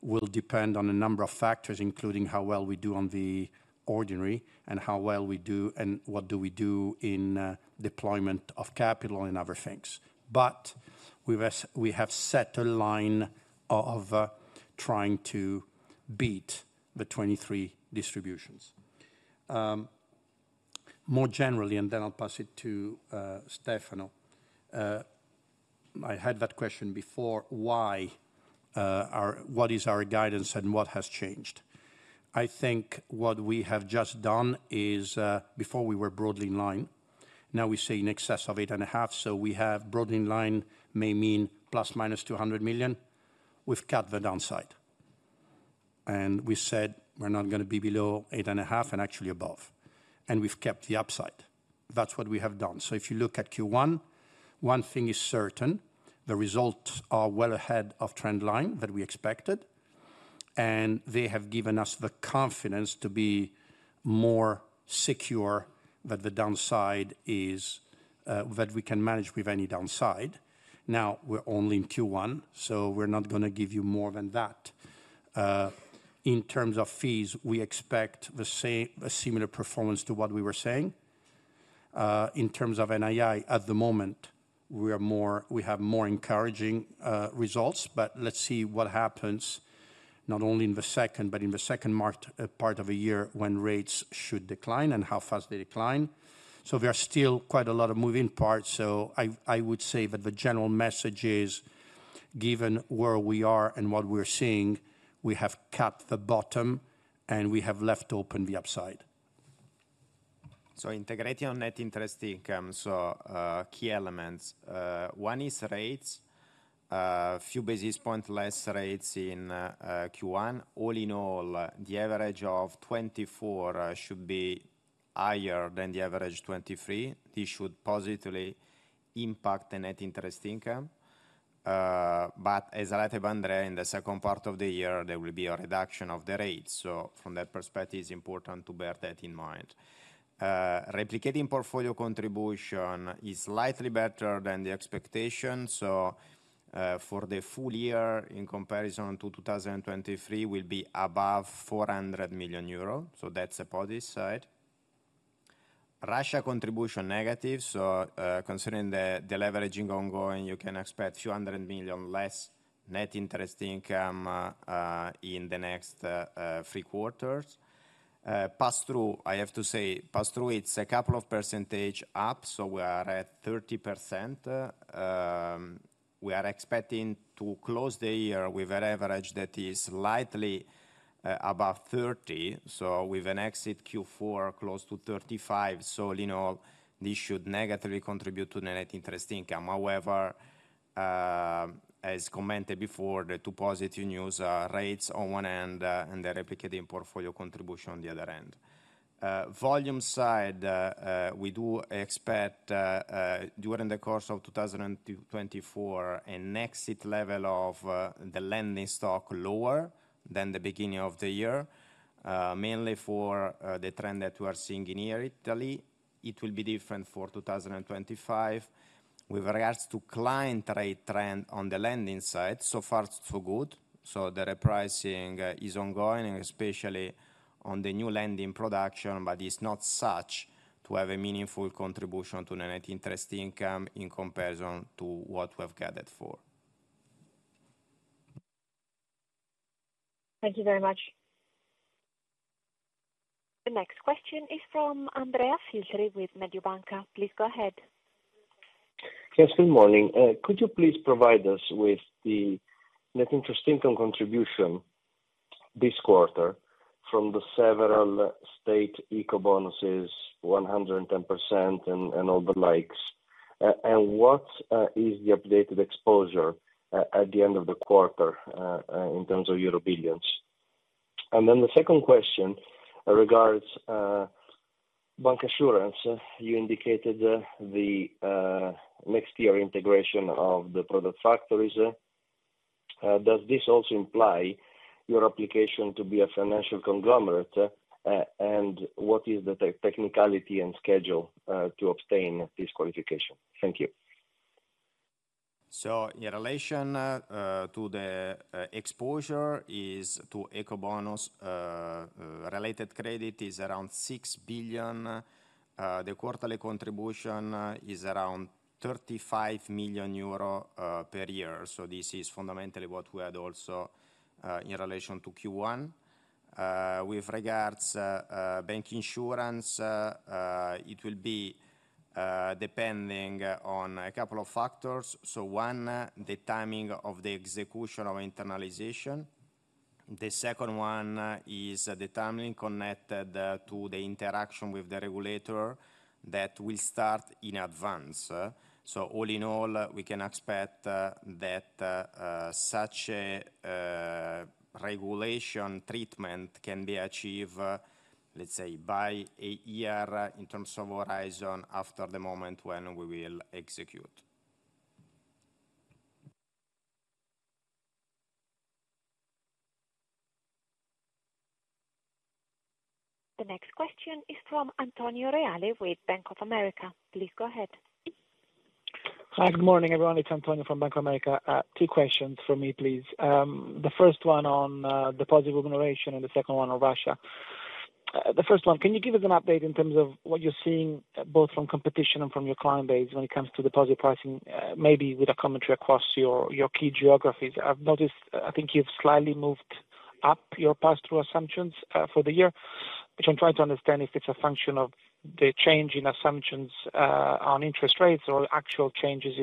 will depend on a number of factors, including how well we do on the ordinary and how well we do and what do we do in deployment of capital and other things. But we have set a line of trying to beat the 2023 distributions. More generally, and then I'll pass it to Stefano. I had that question before. What is our guidance, and what has changed? I think what we have just done is, before we were broadly in line, now we say in excess of 8.5. So broadly in line may mean ±200 million. We've cut the downside. And we said we're not going to be below 8.5 and actually above. And we've kept the upside. That's what we have done. So if you look at Q1, one thing is certain. The results are well ahead of trend line that we expected. They have given us the confidence to be more secure that the downside is that we can manage with any downside. Now, we're only in Q1, so we're not going to give you more than that. In terms of fees, we expect a similar performance to what we were saying. In terms of NII, at the moment, we have more encouraging results. But let's see what happens not only in the second but in the second part of a year when rates should decline and how fast they decline. So there are still quite a lot of moving parts. So I would say that the general message is, given where we are and what we're seeing, we have cut the bottom, and we have left open the upside. So integrating on net interest income, key elements. One is rates. A few basis points less rates in Q1. All in all, the average of 2024 should be higher than the average 2023. This should positively impact the net interest income. But as I told Andrea, in the second part of the year, there will be a reduction of the rates. So from that perspective, it's important to bear that in mind. Replicating portfolio contribution is slightly better than the expectation. So for the full year, in comparison to 2023, will be above 400 million euros. So that's a positive side. Russia contribution negative. So considering the leveraging ongoing, you can expect EUR a few hundred million less net interest income in the next three quarters. Pass-through, I have to say, pass-through, it's a couple of percentage up. So we are at 30%. We are expecting to close the year with a leverage that is slightly above 30. So we will exit Q4 close to 35. So all in all, this should negatively contribute to the net interest income. However, as commented before, the two positive news are rates on one end and the replicating portfolio contribution on the other end. Volume side, we do expect during the course of 2024 an exit level of the lending stock lower than the beginning of the year, mainly for the trend that we are seeing in Italy. It will be different for 2025. With regards to client rate trend on the lending side, so far, so good. So the repricing is ongoing, especially on the new lending production, but it's not such to have a meaningful contribution to the net interest income in comparison to what we have gathered for. Thank you very much. The next question is from Andrea Filtri with Mediobanca. Please go ahead. Yes. Good morning. Could you please provide us with the net interest income contribution this quarter from the several state Ecobonuses, 110% and all the likes? And what is the updated exposure at the end of the quarter in terms of euro billions? And then the second question regards bancassurance. You indicated the next-year integration of the product factories. Does this also imply your application to be a financial conglomerate? And what is the technicality and schedule to obtain this qualification? Thank you. So in relation to the exposure, the Ecobonus-related credit is around 6 billion. The quarterly contribution is around 35 million euro per year. So this is fundamentally what we had also in relation to Q1. With regards to bank insurance, it will be depending on a couple of factors. So one, the timing of the execution of internalization. The second one is the timing connected to the interaction with the regulator that will start in advance. So all in all, we can expect that such a regulatory treatment can be achieved, let's say, by a year in terms of horizon after the moment when we will execute. The next question is from Antonio Reale with Bank of America. Please go ahead. Hi. Good morning, everyone. It's Antonio from Bank of America. Two questions from me, please. The first one on deposit remuneration and the second one on Russia. The first one, can you give us an update in terms of what you're seeing both from competition and from your client base when it comes to deposit pricing, maybe with a commentary across your key geographies? I've noticed, I think, you've slightly moved up your pass-through assumptions for the year, which I'm trying to understand if it's a function of the change in assumptions on interest rates or actual changes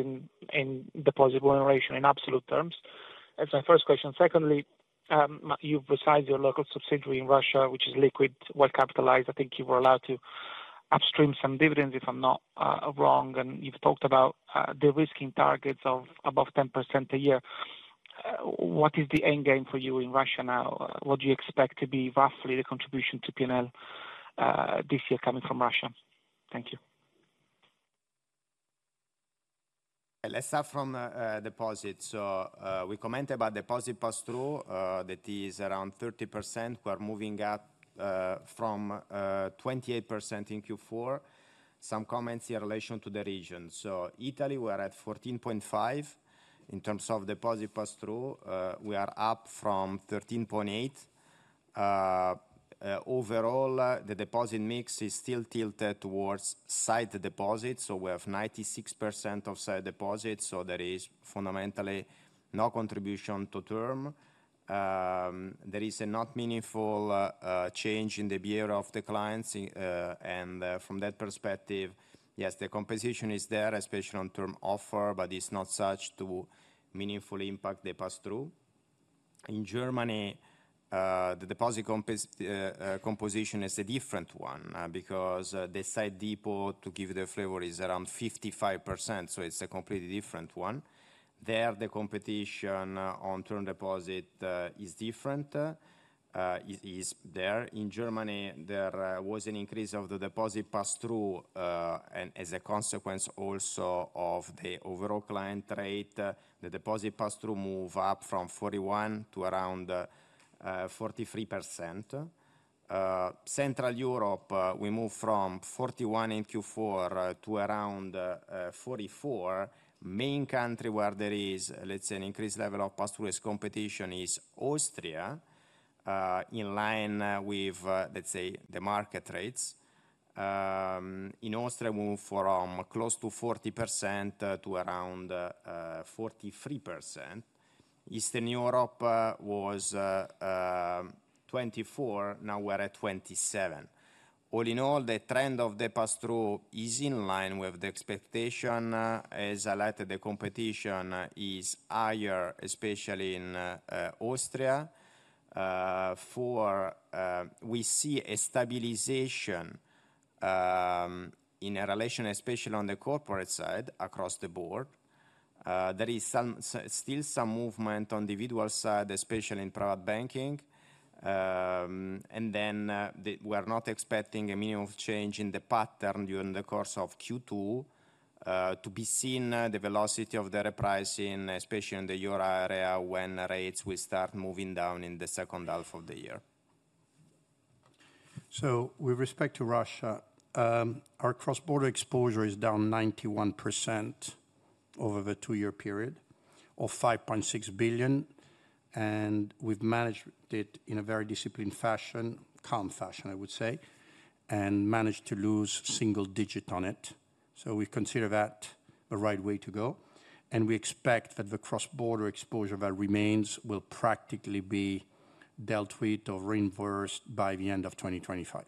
in deposit remuneration in absolute terms. That's my first question. Secondly, you've revised your local subsidiary in Russia, which is liquid, well-capitalized. I think you were allowed to upstream some dividends, if I'm not wrong. And you've talked about the de-risking targets of above 10% a year. What is the end game for you in Russia now? What do you expect to be roughly the contribution to P&L this year coming from Russia? Thank you. Let's start from deposits. So we commented about deposit pass-through that is around 30%. We are moving up from 28% in Q4. Some comments in relation to the region. So Italy, we are at 14.5 in terms of deposit pass-through. We are up from 13.8. Overall, the deposit mix is still tilted towards sight deposits. So we have 96% of sight deposits. So there is fundamentally no contribution to term. There is a not meaningful change in the behavior of the clients. And from that perspective, yes, the composition is there, especially on term offer, but it's not such to meaningfully impact the pass-through. In Germany, the deposit composition is a different one because the sight deposit, to give the flavor, is around 55%. So it's a completely different one. There, the competition on term deposit is different. It is there. In Germany, there was an increase of the deposit pass-through. And as a consequence also of the overall client rate, the deposit pass-through moved up from 41% to around 43%. Central Europe, we moved from 41% in Q4 to around 44%. Main country where there is, let's say, an increased level of pass-through as competition is Austria, in line with, let's say, the market rates. In Austria, we moved from close to 40% to around 43%. Eastern Europe was 24%. Now, we're at 27%. All in all, the trend of the pass-through is in line with the expectation as well the competition is higher, especially in Austria. We see a stabilization in relation, especially on the corporate side across the board. There is still some movement on the individual side, especially in private banking. And then we are not expecting a minimum change in the pattern during the course of Q2 to be seen, the velocity of the repricing, especially in the euro area when rates will start moving down in the second half of the year. So with respect to Russia, our cross-border exposure is down 91% over the two-year period of 5.6 billion. We've managed it in a very disciplined fashion, calm fashion, I would say, and managed to lose a single digit on it. So we consider that the right way to go. We expect that the cross-border exposure that remains will practically be dealt with or reversed by the end of 2025.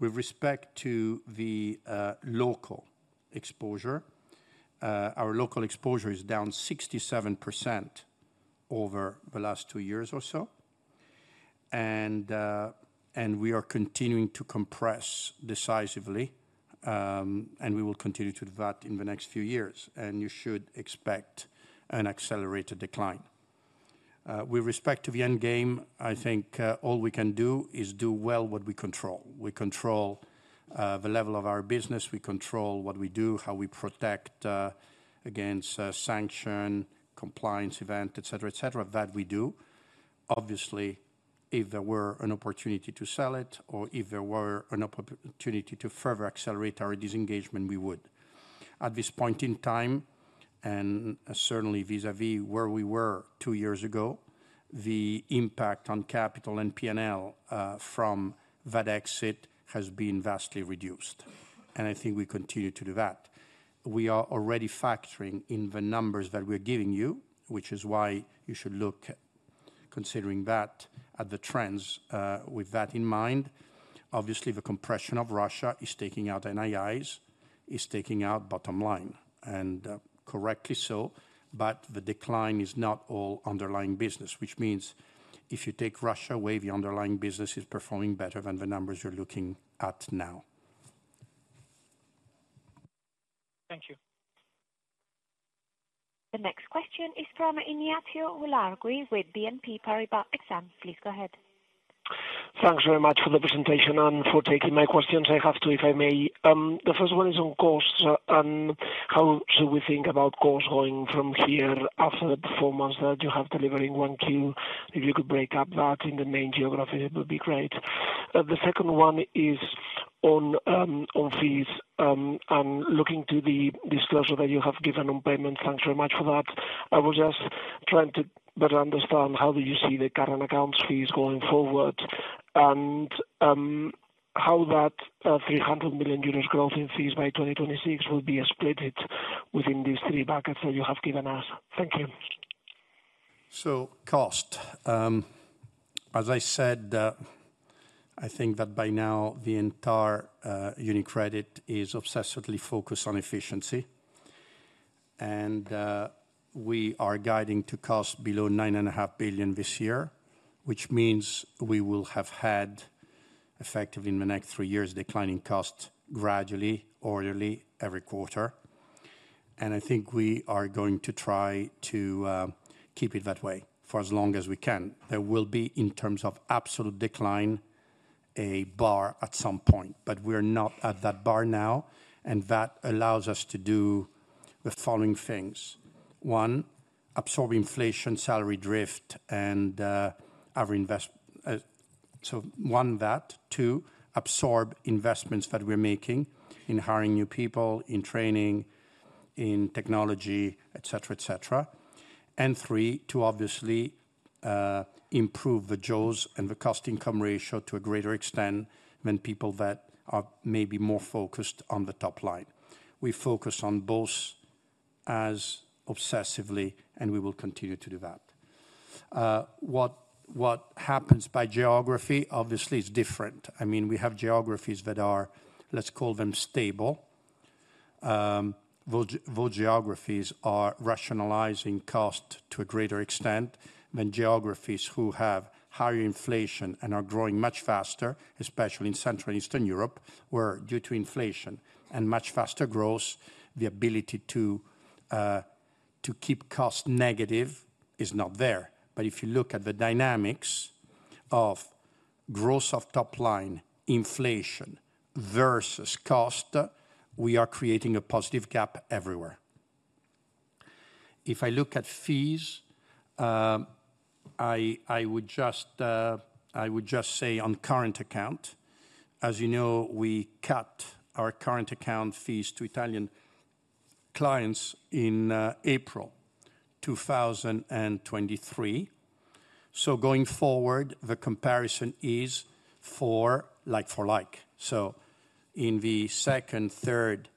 With respect to the local exposure, our local exposure is down 67% over the last two years or so. We are continuing to compress decisively. We will continue to do that in the next few years. You should expect an accelerated decline. With respect to the end game, I think all we can do is do well what we control. We control the level of our business. We control what we do, how we protect against sanction, compliance event, etc., etc. That we do. Obviously, if there were an opportunity to sell it or if there were an opportunity to further accelerate our disengagement, we would. At this point in time, and certainly vis-à-vis where we were two years ago, the impact on capital and P&L from that exit has been vastly reduced. I think we continue to do that. We are already factoring in the numbers that we are giving you, which is why you should look, considering that, at the trends. With that in mind, obviously, the compression of Russia is taking out NIIs, is taking out bottom line. Correctly so. The decline is not all underlying business, which means if you take Russia away, the underlying business is performing better than the numbers you're looking at now. Thank you. The next question is from Ignacio Ulargui with BNP Paribas Exane. Please go ahead. Thanks very much for the presentation and for taking my questions. I have two, if I may. The first one is on costs and how should we think about costs going from here after the performance that you have delivered in 1Q? If you could break up that in the main geographies, it would be great. The second one is on fees and looking to the disclosure that you have given on payments. Thanks very much for that. I was just trying to better understand how do you see the current accounts fees going forward and how that 300 million euros growth in fees by 2026 will be split within these three buckets that you have given us. Thank you. So, cost. As I said, I think that by now, the entire UniCredit is obsessively focused on efficiency. We are guiding to cost below 9.5 billion this year, which means we will have had, effectively, in the next three years, declining costs gradually, orderly, every quarter. I think we are going to try to keep it that way for as long as we can. There will be, in terms of absolute decline, a bar at some point. But we are not at that bar now. That allows us to do the following things. One, absorb inflation, salary drift, and average investment. So one, that. Two, absorb investments that we're making in hiring new people, in training, in technology, etc., etc. And three, to obviously improve the jaws and the cost-income ratio to a greater extent than people that are maybe more focused on the top line. We focus on both as obsessively, and we will continue to do that. What happens by geography, obviously, is different. I mean, we have geographies that are, let's call them stable. Those geographies are rationalizing costs to a greater extent than geographies who have higher inflation and are growing much faster, especially in Central and Eastern Europe, where due to inflation and much faster growth, the ability to keep costs negative is not there. But if you look at the dynamics of growth of top line, inflation versus cost, we are creating a positive gap everywhere. If I look at fees, I would just say on current account. As you know, we cut our current account fees to Italian clients in April 2023. So going forward, the comparison is for like for like. So in the second, third,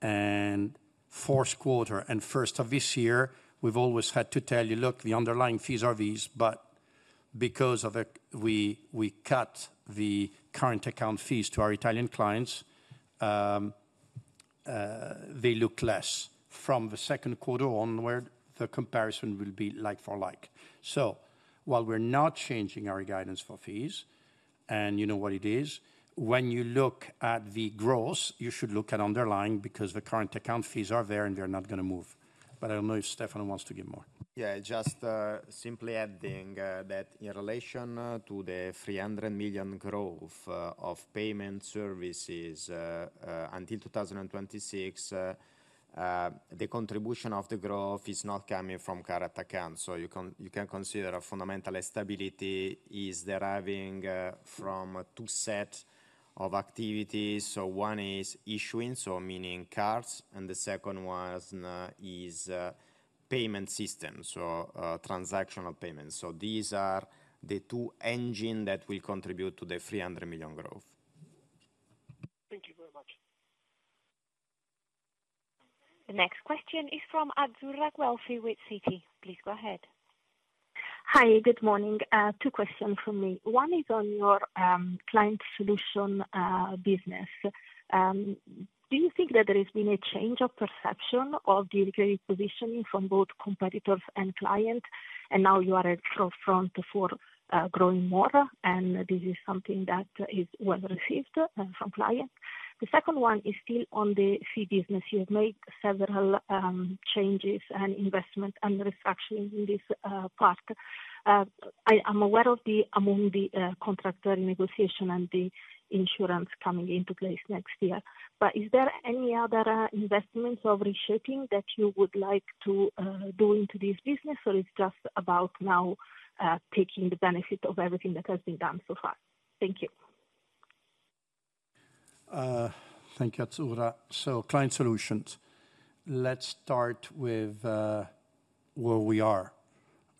and fourth quarter and first of this year, we've always had to tell you, "Look, the underlying fees are these." But because we cut the current account fees to our Italian clients, they look less. From the second quarter onward, the comparison will be like for like. So while we're not changing our guidance for fees, and you know what it is, when you look at the growth, you should look at underlying because the current account fees are there, and they're not going to move. But I don't know if Stefano wants to give more. Yeah. Just simply adding that in relation to the 300 million growth of payment services until 2026, the contribution of the growth is not coming from current accounts. So you can consider a fundamental stability is deriving from two sets of activities. So one is issuing, so meaning cards. And the second one is payment system, so transactional payments. So these are the two engines that will contribute to the 300 million growth. Thank you very much. The next question is from Azzurra Guelfi with Citi. Please go ahead. Hi. Good morning. Two questions from me. One is on your Client Solutions business. Do you think that there has been a change of perception of the positioning from both competitors and clients? And now you are at the forefront for growing more. And this is something that is well received from clients. The second one is still on the fee business. You have made several changes and investment and restructuring in this part. I'm aware of the ongoing contract renegotiation and the insurance coming into place next year. But is there any other investments or reshaping that you would like to do into this business? Or it's just about now taking the benefit of everything that has been done so far? Thank you. Thank you, Azzurra. So Client Solutions. Let's start with where we are.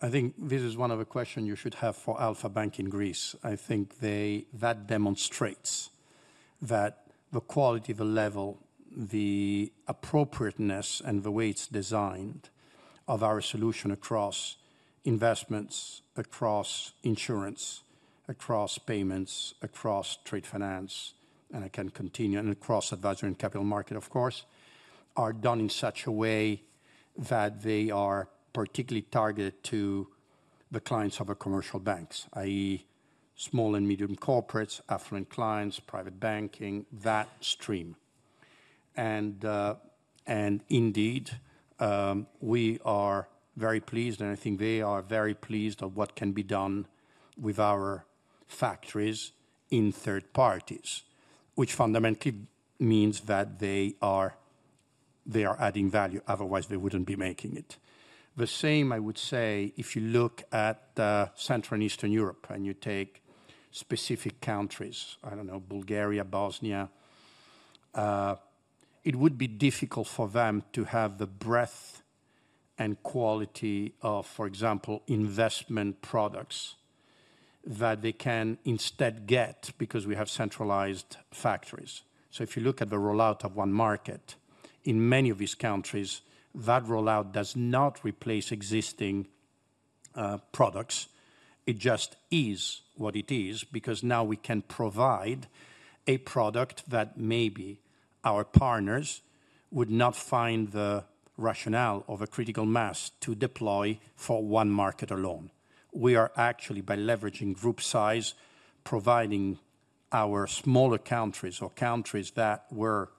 I think this is one of the questions you should have for Alpha Bank in Greece. I think that demonstrates that the quality, the level, the appropriateness, and the way it's designed of our solution across investments, across insurance, across payments, across trade finance, and I can continue and across advisory and capital market, of course, are done in such a way that they are particularly targeted to the clients of commercial banks, i.e., small and medium corporates, affluent clients, private banking, that stream. And indeed, we are very pleased. And I think they are very pleased of what can be done with our factories in third parties, which fundamentally means that they are adding value. Otherwise, they wouldn't be making it. The same, I would say, if you look at Central and Eastern Europe and you take specific countries, I don't know, Bulgaria, Bosnia, it would be difficult for them to have the breadth and quality of, for example, investment products that they can instead get because we have centralized factories. So if you look at the rollout of onemarkets, in many of these countries, that rollout does not replace existing products. It just is what it is because now we can provide a product that maybe our partners would not find the rationale of a critical mass to deploy for onemarkets alone. We are actually, by leveraging group size, providing our smaller countries or countries that were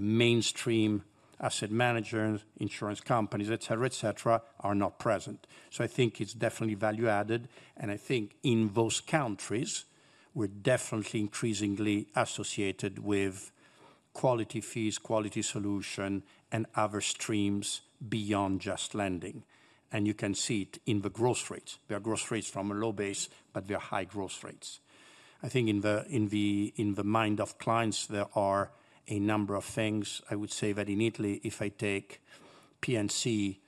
mainstream asset managers, insurance companies, etc., etc., are not present. So I think it's definitely value added. I think in those countries, we're definitely increasingly associated with quality fees, quality solution, and other streams beyond just lending. And you can see it in the growth rates. There are growth rates from a low base, but there are high growth rates. I think in the mind of clients, there are a number of things. I would say that in Italy, if I take P&C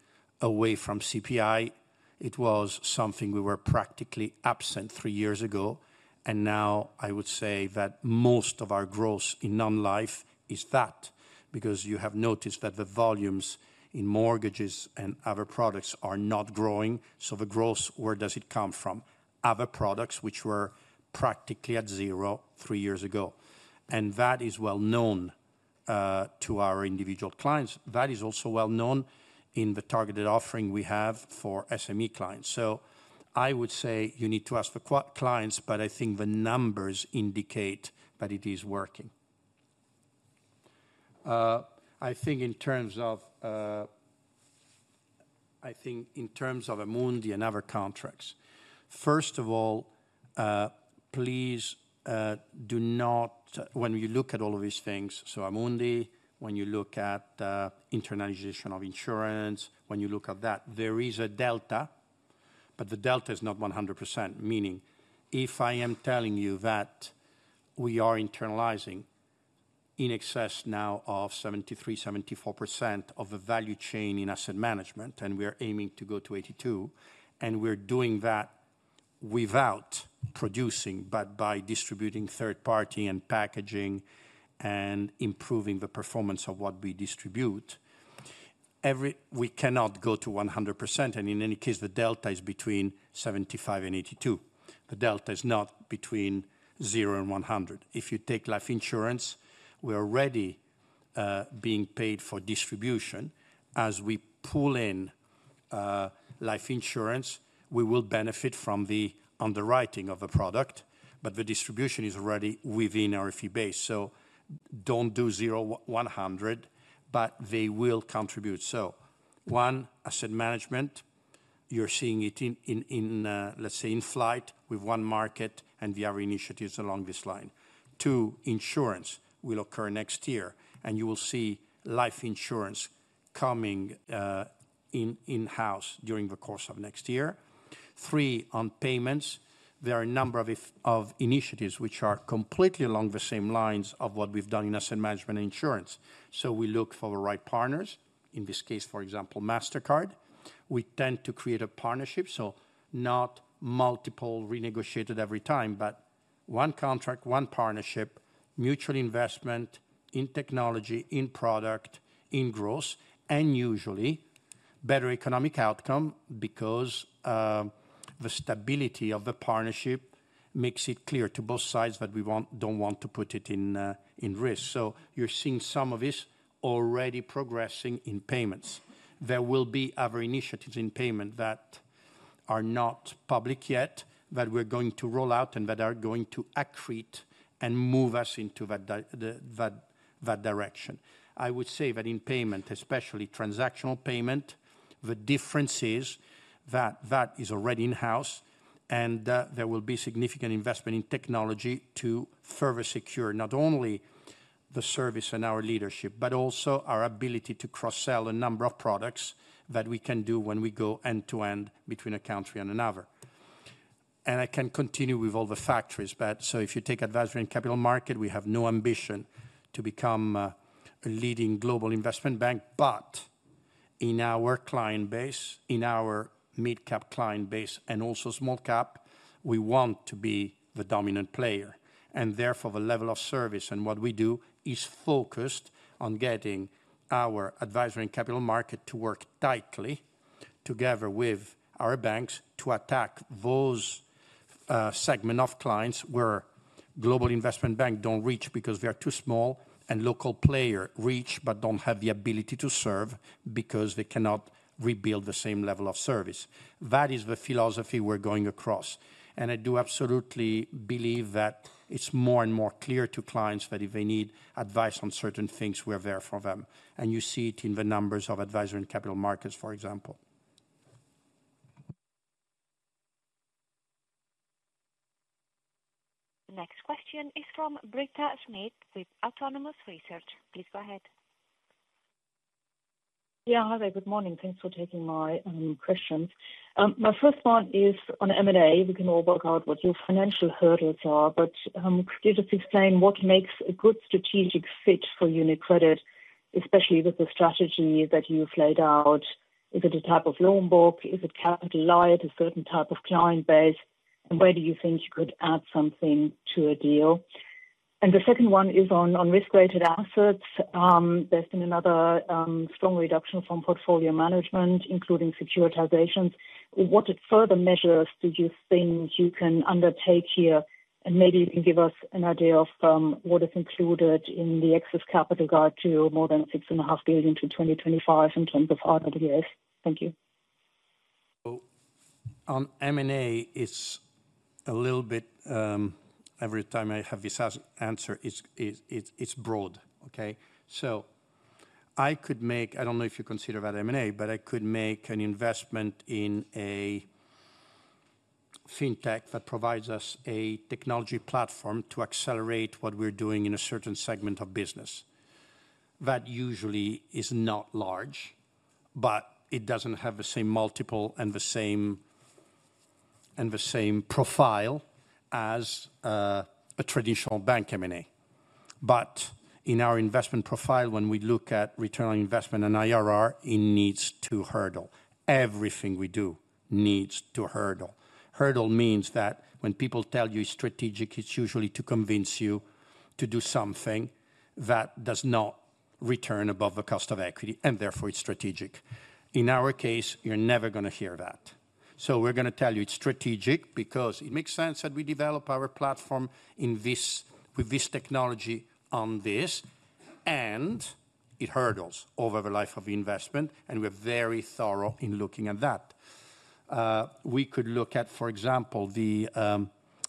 away from CPI, it was something we were practically absent three years ago. And now, I would say that most of our growth in non-life is that because you have noticed that the volumes in mortgages and other products are not growing. So the growth, where does it come from? Other products, which were practically at zero three years ago. And that is well known to our individual clients. That is also well known in the targeted offering we have for SME clients. So I would say you need to ask the clients. But I think the numbers indicate that it is working. I think in terms of I think in terms of Amundi and other contracts, first of all, please do not when you look at all of these things, so Amundi, when you look at internalization of insurance, when you look at that, there is a delta. But the delta is not 100%, meaning if I am telling you that we are internalizing in excess now of 73%-74% of the value chain in asset management, and we are aiming to go to 82%, and we're doing that without producing but by distributing third-party and packaging and improving the performance of what we distribute, we cannot go to 100%. And in any case, the delta is between 75%-82%. The delta is not between 0%-100%. If you take life insurance, we are already being paid for distribution. As we pull in life insurance, we will benefit from the underwriting of the product. But the distribution is already within our fee base. So don't do 0, 100, but they will contribute. So 1, asset management. You're seeing it in, let's say, in flight with onemarkets, and we have initiatives along this line. 2, insurance will occur next year. You will see life insurance coming in-house during the course of next year. 3, on payments, there are a number of initiatives which are completely along the same lines of what we've done in asset management and insurance. So we look for the right partners. In this case, for example, Mastercard. We tend to create a partnership, so not multiple renegotiated every time, but one contract, one partnership, mutual investment in technology, in product, in growth, and usually better economic outcome because the stability of the partnership makes it clear to both sides that we don't want to put it in risk. So you're seeing some of this already progressing in payments. There will be other initiatives in payment that are not public yet that we're going to roll out and that are going to accrete and move us into that direction. I would say that in payment, especially transactional payment, the difference is that that is already in-house. And there will be significant investment in technology to further secure not only the service and our leadership but also our ability to cross-sell a number of products that we can do when we go end-to-end between a country and another. I can continue with all the factories. So if you take advisory and capital market, we have no ambition to become a leading global investment bank. But in our client base, in our mid-cap client base and also small cap, we want to be the dominant player. And therefore, the level of service and what we do is focused on getting our advisory and capital market to work tightly together with our banks to attack those segments of clients where global investment banks don't reach because they are too small and local players reach but don't have the ability to serve because they cannot rebuild the same level of service. That is the philosophy we're going across. And I do absolutely believe that it's more and more clear to clients that if they need advice on certain things, we're there for them. You see it in the numbers of advisory and capital markets, for example. Next question is from Britta Schmidt with Autonomous Research. Please go ahead. Yeah. Hi, there. Good morning. Thanks for taking my questions. My first one is on M&A. We can all work out what your financial hurdles are. But could you just explain what makes a good strategic fit for UniCredit, especially with the strategy that you've laid out? Is it a type of loan book? Is it capital light, a certain type of client base? And where do you think you could add something to a deal? And the second one is on risk-weighted assets. There's been another strong reduction from portfolio management, including securitizations. What further measures do you think you can undertake here? And maybe you can give us an idea of what is included in the excess capital guidance to more than 6.5 billion to 2025 in terms of RWAs. Thank you. So on M&A, it's a little bit every time I have this answer, it's broad, okay? So I could make—I don't know if you consider that M&A, but I could make an investment in a fintech that provides us a technology platform to accelerate what we're doing in a certain segment of business that usually is not large, but it doesn't have the same multiple and the same profile as a traditional bank M&A. But in our investment profile, when we look at return on investment and IRR, it needs to hurdle. Everything we do needs to hurdle. Hurdle means that when people tell you it's strategic, it's usually to convince you to do something that does not return above the cost of equity. And therefore, it's strategic. In our case, you're never going to hear that. So we're going to tell you it's strategic because it makes sense that we develop our platform with this technology on this. And it hurdles over the life of investment. And we are very thorough in looking at that. We could look at, for example, the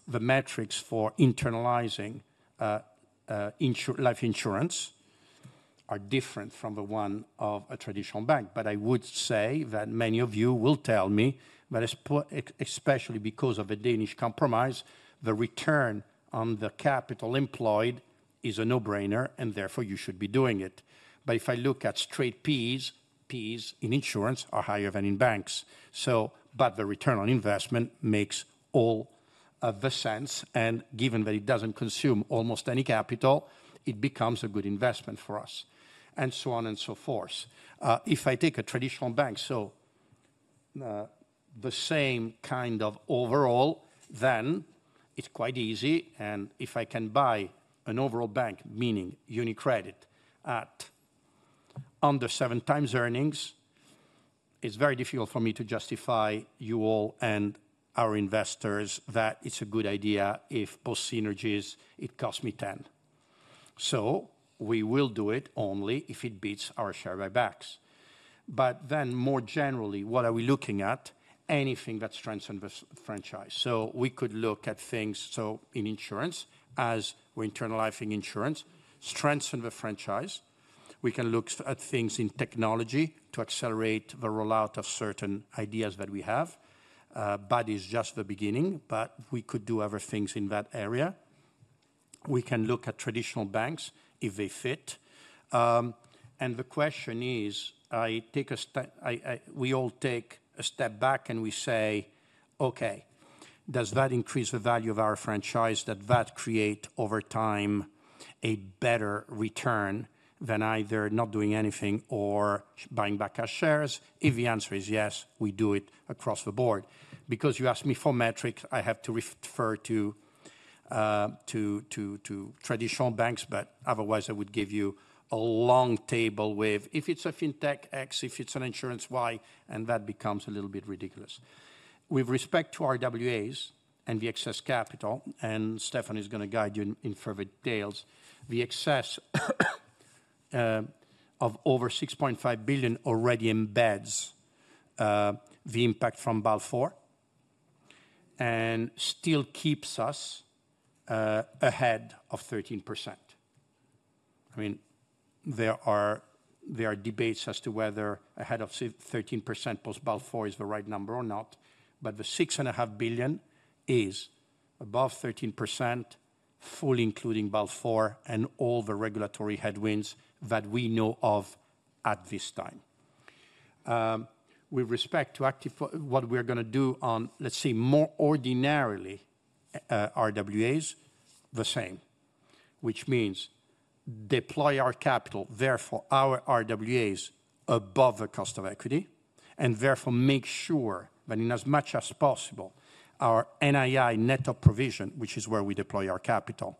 metrics for internalizing life insurance are different from the one of a traditional bank. But I would say that many of you will tell me that especially because of the Danish Compromise, the return on the capital employed is a no-brainer. And therefore, you should be doing it. But if I look at straight P/Es, P/Es in insurance are higher than in banks. But the return on investment makes all of the sense. And given that it doesn't consume almost any capital, it becomes a good investment for us and so on and so forth. If I take a traditional bank, so the same kind of overall, then it's quite easy. And if I can buy an overall bank, meaning UniCredit, at under 7x earnings, it's very difficult for me to justify you all and our investors that it's a good idea if post-synergies, it costs me 10x. So we will do it only if it beats our share buybacks. But then more generally, what are we looking at? Anything that strengthens the franchise. So we could look at things so in insurance, as we're internalizing insurance, strengthen the franchise. We can look at things in technology to accelerate the rollout of certain ideas that we have. That is just the beginning. But we could do other things in that area. We can look at traditional banks if they fit. And the question is, we all take a step back, and we say, "Okay, does that increase the value of our franchise that that create over time a better return than either not doing anything or buying back our shares?" If the answer is yes, we do it across the board. Because you asked me for metrics, I have to refer to traditional banks. But otherwise, I would give you a long table with if it's a fintech X, if it's an insurance Y, and that becomes a little bit ridiculous. With respect to RWAs and the excess capital, and Stefano is going to guide you in further details, the excess of over 6.5 billion already embeds the impact from Basel IV and still keeps us ahead of 13%. I mean, there are debates as to whether ahead of 13% post-Basel IV is the right number or not. But the 6.5 billion is above 13%, fully including Basel IV and all the regulatory headwinds that we know of at this time. With respect to what we are going to do on, let's say, more ordinarily RWAs, the same, which means deploy our capital, therefore our RWAs, above the cost of equity. And therefore, make sure that in as much as possible, our NII net of provision, which is where we deploy our capital,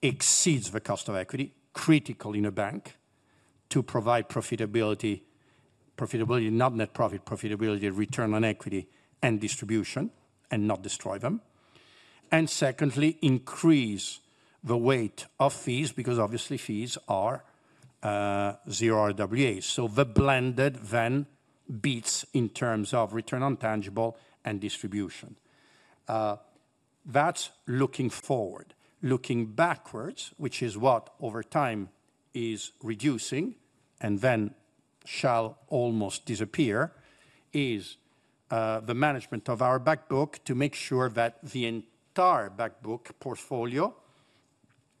exceeds the cost of equity, critical in a bank to provide profitability, not net profit, profitability, return on equity, and distribution and not destroy them. And secondly, increase the weight of fees because obviously, fees are zero RWAs. So the blended then beats in terms of return on tangible and distribution. That's looking forward. Looking backwards, which is what over time is reducing and then shall almost disappear, is the management of our backbook to make sure that the entire backbook portfolio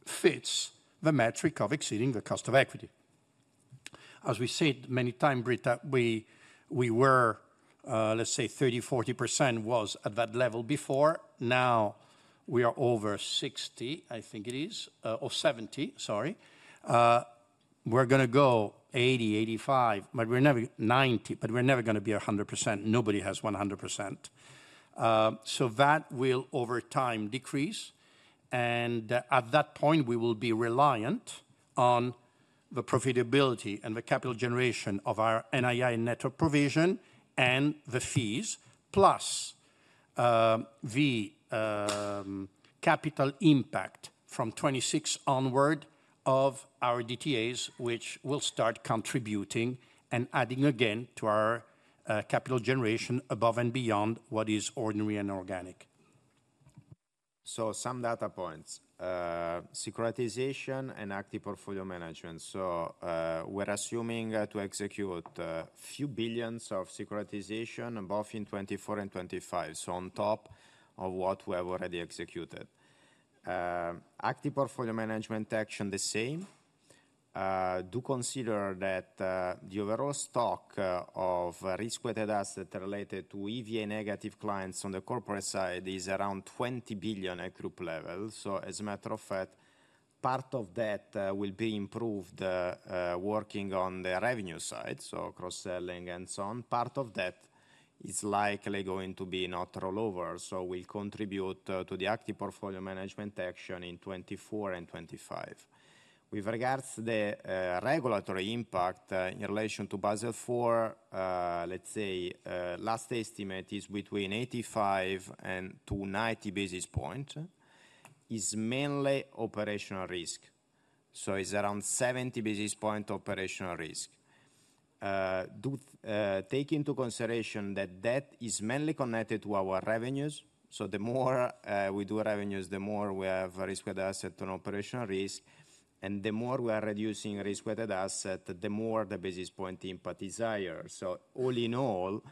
fits the metric of exceeding the cost of equity. As we said many times, Britta, we were, let's say, 30%-40% was at that level before. Now, we are over 60%, I think it is, or 70%, sorry. We're going to go 80%-85%, but we're never 90%. But we're never going to be 100%. Nobody has 100%. So that will over time decrease. And at that point, we will be reliant on the profitability and the capital generation of our NII net of provision and the fees plus the capital impact from 2026 onward of our DTAs, which will start contributing and adding again to our capital generation above and beyond what is ordinary and organic. So some data points, securitization and active portfolio management. So we're assuming to execute a few billion EUR of securitization both in 2024 and 2025, so on top of what we have already executed. Active portfolio management action, the same. Do consider that the overall stock of risk-weighted assets related to EVA negative clients on the corporate side is around 20 billion at group level. So as a matter of fact, part of that will be improved working on the revenue side, so cross-selling and so on. Part of that is likely going to be not rollover. So we'll contribute to the active portfolio management action in 2024 and 2025. With regards to the regulatory impact in relation to Basel IV, let's say, last estimate is between 85-90 basis points is mainly operational risk. So it's around 70 basis points operational risk. Take into consideration that that is mainly connected to our revenues. So the more we do revenues, the more we have risk-weighted assets on operational risk. And the more we are reducing risk-weighted assets, the more the basis point impact is higher. So all in all,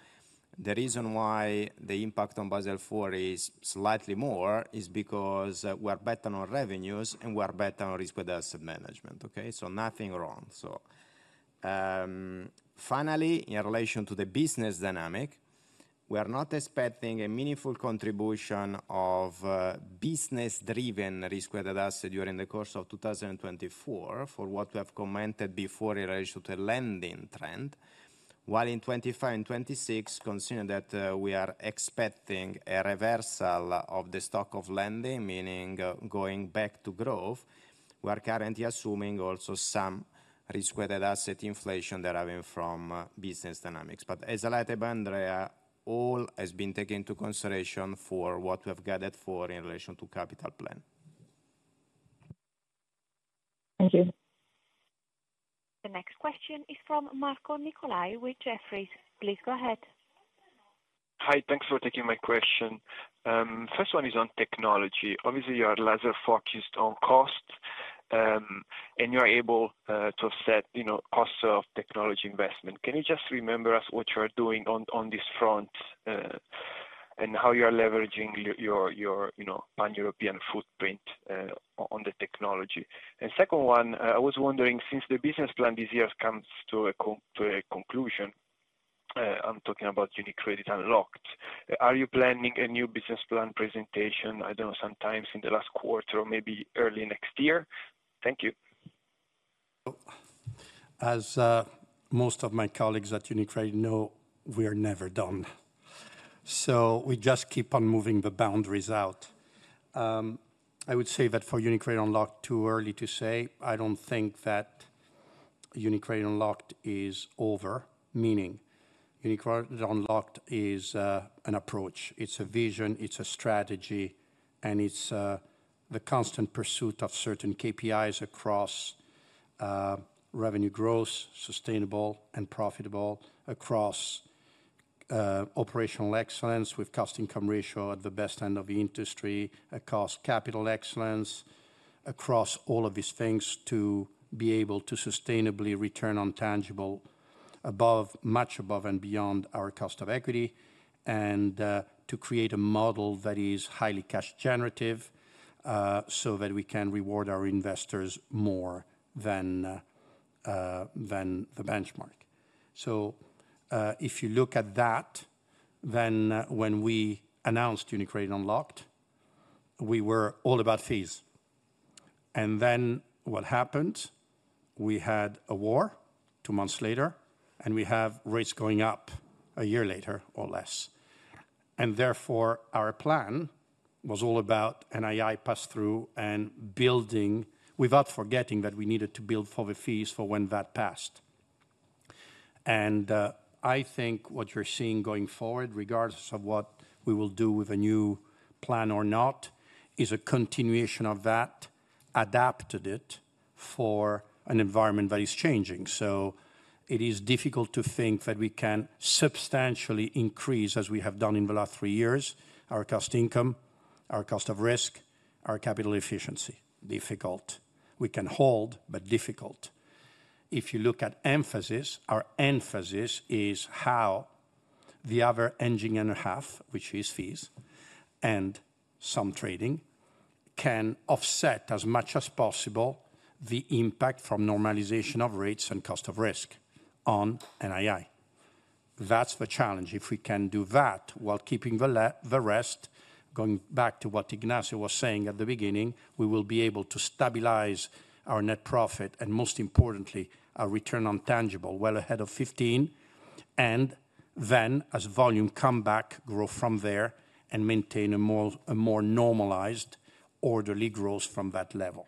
the reason why the impact on Basel IV is slightly more is because we are better on revenues, and we are better on risk-weighted asset management, okay? So nothing wrong. So finally, in relation to the business dynamic, we are not expecting a meaningful contribution of business-driven risk-weighted assets during the course of 2024 for what we have commented before in relation to the lending trend. While in 2025 and 2026, consider that we are expecting a reversal of the stock of lending, meaning going back to growth, we are currently assuming also some risk-weighted asset inflation deriving from business dynamics. But as I laid out, Andrea, all has been taken into consideration for what we have guided for in relation to capital plan. Thank you. The next question is from Marco Nicolai with Jefferies. Please go ahead. Hi. Thanks for taking my question. First one is on technology. Obviously, you are laser-focused on cost. And you are able to set cost of technology investment. Can you just remember us what you are doing on this front and how you are leveraging your pan-European footprint on the technology? And second one, I was wondering, since the business plan this year comes to a conclusion, I'm talking about UniCredit Unlocked, are you planning a new business plan presentation, I don't know, sometimes in the last quarter or maybe early next year? Thank you. So as most of my colleagues at UniCredit know, we are never done. So we just keep on moving the boundaries out. I would say that for UniCredit Unlocked, too early to say. I don't think that UniCredit Unlocked is over, meaning UniCredit Unlocked is an approach. It's a vision. It's a strategy. And it's the constant pursuit of certain KPIs across revenue growth, sustainable and profitable, across operational excellence with cost-income ratio at the best end of the industry, across capital excellence, across all of these things to be able to sustainably return on tangible much above and beyond our cost of equity and to create a model that is highly cash-generative so that we can reward our investors more than the benchmark. So if you look at that, then when we announced UniCredit Unlocked, we were all about fees. And then what happened? We had a war two months later. We have rates going up a year later or less. Therefore, our plan was all about NII pass-through and building without forgetting that we needed to build for the fees for when that passed. I think what you're seeing going forward, regardless of what we will do with a new plan or not, is a continuation of that adapted for an environment that is changing. So it is difficult to think that we can substantially increase, as we have done in the last three years, our cost-income, our cost of risk, our capital efficiency. Difficult. We can hold, but difficult. If you look at emphasis, our emphasis is how the other engine and a half, which is fees and some trading, can offset as much as possible the impact from normalization of rates and cost of risk on NII. That's the challenge. If we can do that while keeping the rest, going back to what Ignacio was saying at the beginning, we will be able to stabilize our net profit and, most importantly, our return on tangible well ahead of 15. And then, as volume come back, grow from there and maintain a more normalized orderly growth from that level.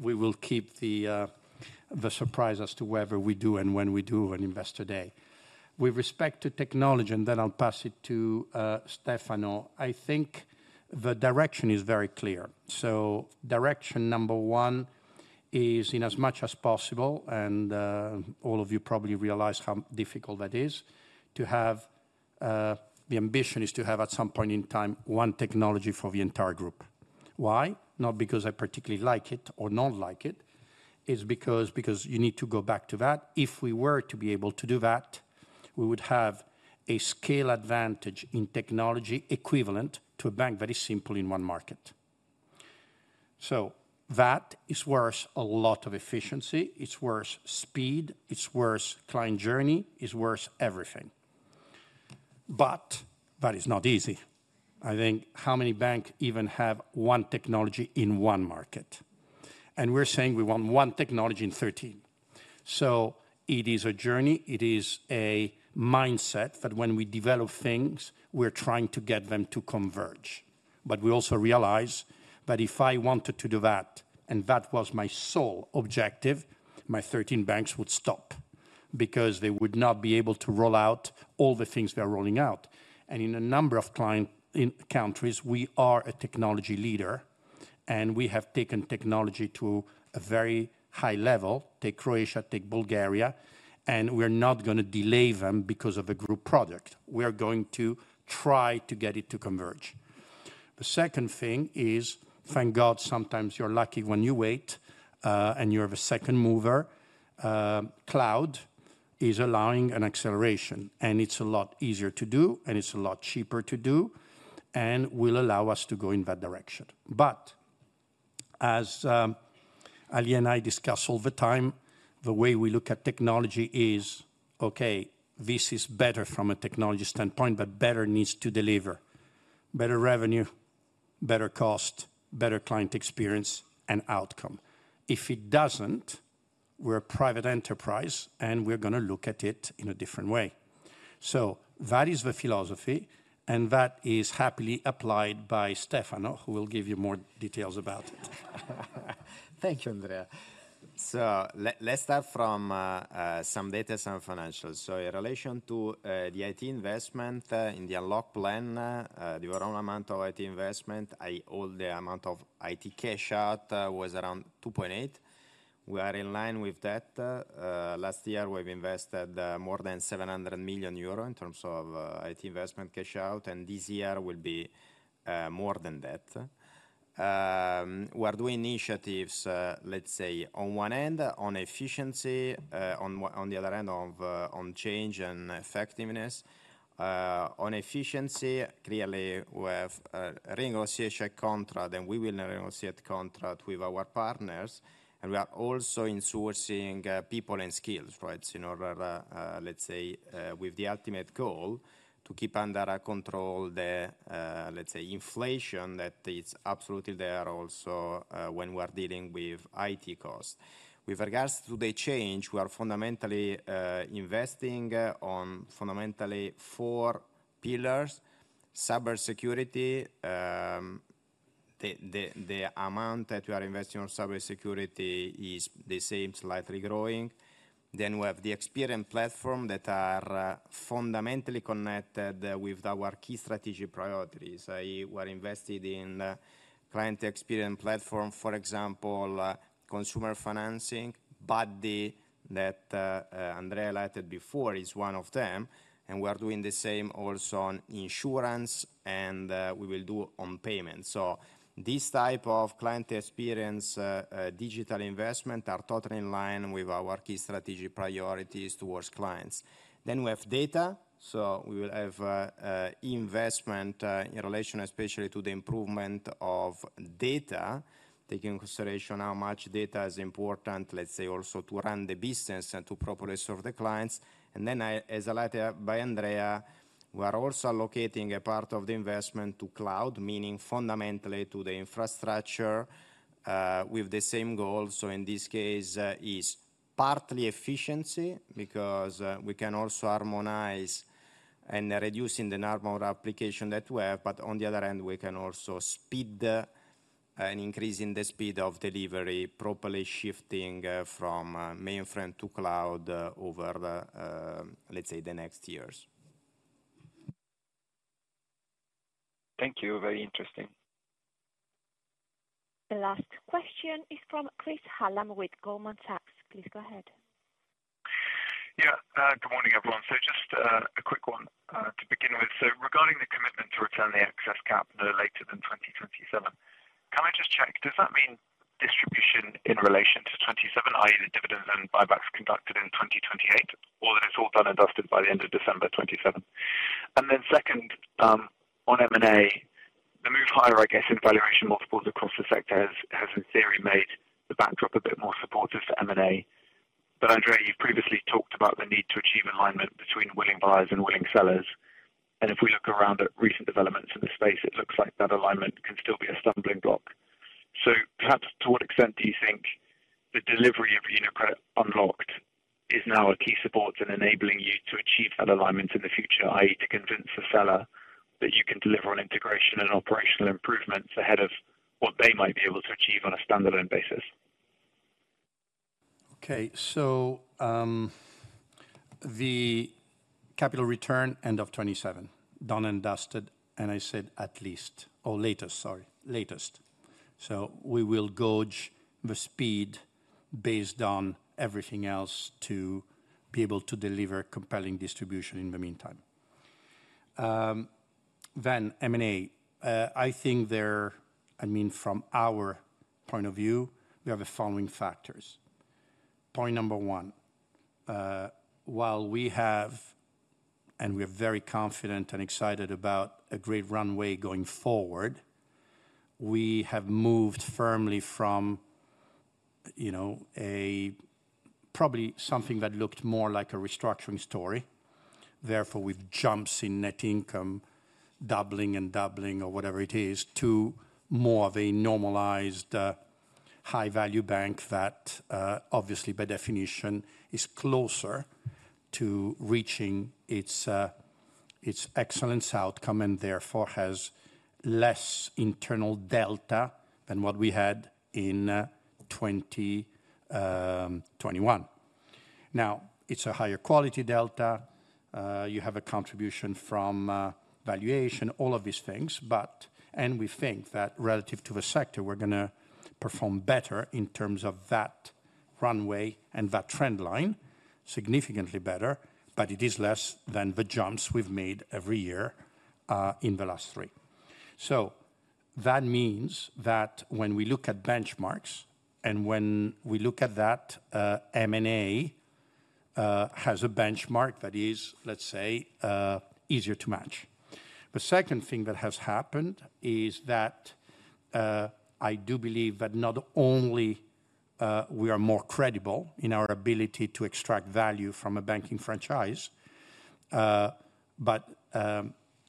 We will keep the surprise as to whether we do and when we do an investor day. With respect to technology, and then I'll pass it to Stefano, I think the direction is very clear. So direction number one is, in as much as possible, and all of you probably realize how difficult that is, to have the ambition is to have, at some point in time, one technology for the entire group. Why? Not because I particularly like it or don't like it. It's because you need to go back to that. If we were to be able to do that, we would have a scale advantage in technology equivalent to a bank that is simple in one market. So that is worth a lot of efficiency. It's worth speed. It's worth client journey. It's worth everything. But that is not easy. I think how many banks even have one technology in one market? And we're saying we want one technology in 13. So it is a journey. It is a mindset that when we develop things, we are trying to get them to converge. But we also realize that if I wanted to do that, and that was my sole objective, my 13 banks would stop because they would not be able to roll out all the things they are rolling out. In a number of countries, we are a technology leader. We have taken technology to a very high level, take Croatia, take Bulgaria. We are not going to delay them because of a group product. We are going to try to get it to converge. The second thing is, thank God, sometimes you're lucky when you wait, and you have a second mover. Cloud is allowing an acceleration. It's a lot easier to do. It's a lot cheaper to do and will allow us to go in that direction. But as Ali and I discuss all the time, the way we look at technology is, okay, this is better from a technology standpoint, but better needs to deliver better revenue, better cost, better client experience, and outcome. If it doesn't, we're a private enterprise. We're going to look at it in a different way. So that is the philosophy. And that is happily applied by Stefano, who will give you more details about it. Thank you, Andrea. So let's start from some data, some financials. So in relation to the IT investment in the unlocked plan, the overall amount of IT investment, all the amount of IT cash out was around 2.8 billion. We are in line with that. Last year, we have invested more than 700 million euro in terms of IT investment cash out. And this year will be more than that. We are doing initiatives, let's say, on one end, on efficiency, on the other end, on change and effectiveness. On efficiency, clearly, we have a renegotiation contract. And we will negotiate contract with our partners. And we are also insourcing people and skills, right, in order, let's say, with the ultimate goal to keep under control the, let's say, inflation that is absolutely there also when we are dealing with IT cost. With regards to the change, we are fundamentally investing on fundamentally four pillars: cybersecurity. The amount that we are investing on cybersecurity is the same, slightly growing. Then we have the experience platform that are fundamentally connected with our key strategic priorities. We are invested in client experience platform, for example, consumer financing. Buddy that Andrea laid out before is one of them. And we are doing the same also on insurance. And we will do on payment. So these types of client experience digital investment are totally in line with our key strategic priorities towards clients. Then we have data. So we will have investment in relation, especially, to the improvement of data, taking into consideration how much data is important, let's say, also to run the business and to properly serve the clients. And then, as I laid out by Andrea, we are also allocating a part of the investment to cloud, meaning fundamentally to the infrastructure with the same goal. So in this case, it's partly efficiency because we can also harmonize and reduce the number of applications that we have. But on the other end, we can also speed and increase the speed of delivery, properly shifting from mainframe to cloud over, let's say, the next years. Thank you. Very interesting. The last question is from Chris Hallam with Goldman Sachs. Please go ahead. Yeah. Good morning, everyone. So just a quick one to begin with. So regarding the commitment to return the excess cap no later than 2027, can I just check, does that mean distribution in relation to 2027, i.e., the dividends and buybacks conducted in 2028, or that it's all done and dusted by the end of December 2027? And then second, on M&A, the move higher, I guess, in valuation multiples across the sector has, in theory, made the backdrop a bit more supportive for M&A. But Andrea, you've previously talked about the need to achieve alignment between willing buyers and willing sellers. And if we look around at recent developments in the space, it looks like that alignment can still be a stumbling block. So perhaps, to what extent do you think the delivery of UniCredit Unlocked is now a key support in enabling you to achieve that alignment in the future, i.e., to convince the seller that you can deliver on integration and operational improvements ahead of what they might be able to achieve on a standalone basis? Okay. So the capital return end of 2027, done and dusted, and I said at least or latest, sorry, latest. So we will gauge the speed based on everything else to be able to deliver compelling distribution in the meantime. Then M&A, I think there I mean, from our point of view, we have the following factors. Point number 1, while we have and we are very confident and excited about a great runway going forward, we have moved firmly from probably something that looked more like a restructuring story. Therefore, with jumps in net income, doubling and doubling or whatever it is, to more of a normalized high-value bank that, obviously, by definition, is closer to reaching its excellence outcome and, therefore, has less internal delta than what we had in 2021. Now, it's a higher quality delta. You have a contribution from valuation, all of these things. We think that, relative to the sector, we're going to perform better in terms of that runway and that trend line, significantly better. It is less than the jumps we've made every year in the last three. That means that when we look at benchmarks and when we look at that, M&A has a benchmark that is, let's say, easier to match. The second thing that has happened is that I do believe that not only we are more credible in our ability to extract value from a banking franchise, but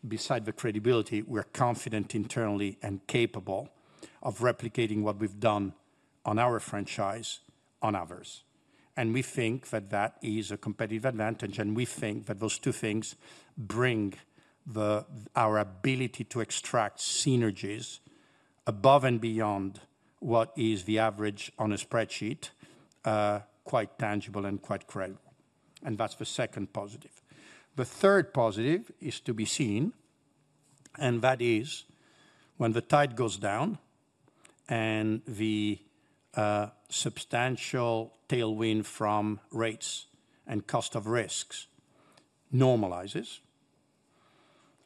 beside the credibility, we are confident internally and capable of replicating what we've done on our franchise on others. We think that that is a competitive advantage. We think that those two things bring our ability to extract synergies above and beyond what is the average on a spreadsheet, quite tangible and quite credible. That's the second positive. The third positive is to be seen. That is when the tide goes down and the substantial tailwind from rates and cost of risks normalizes,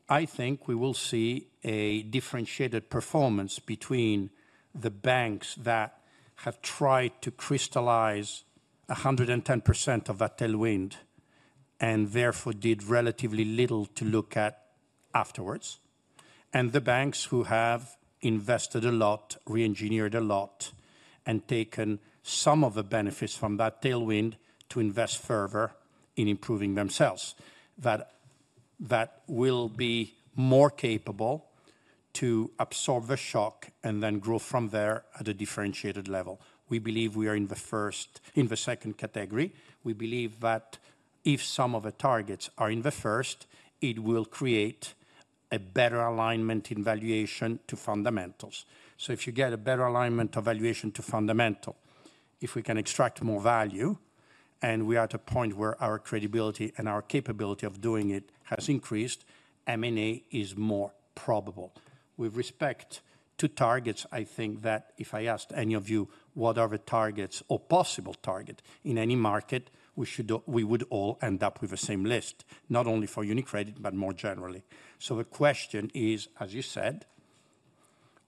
I think we will see a differentiated performance between the banks that have tried to crystallize 110% of that tailwind and, therefore, did relatively little to look at afterwards and the banks who have invested a lot, re-engineered a lot, and taken some of the benefits from that tailwind to invest further in improving themselves, that will be more capable to absorb the shock and then grow from there at a differentiated level. We believe we are in the first in the second category. We believe that if some of the targets are in the first, it will create a better alignment in valuation to fundamentals. So if you get a better alignment of valuation to fundamental, if we can extract more value, and we are at a point where our credibility and our capability of doing it has increased, M&A is more probable. With respect to targets, I think that if I asked any of you what are the targets or possible targets in any market, we would all end up with the same list, not only for UniCredit but more generally. So the question is, as you said,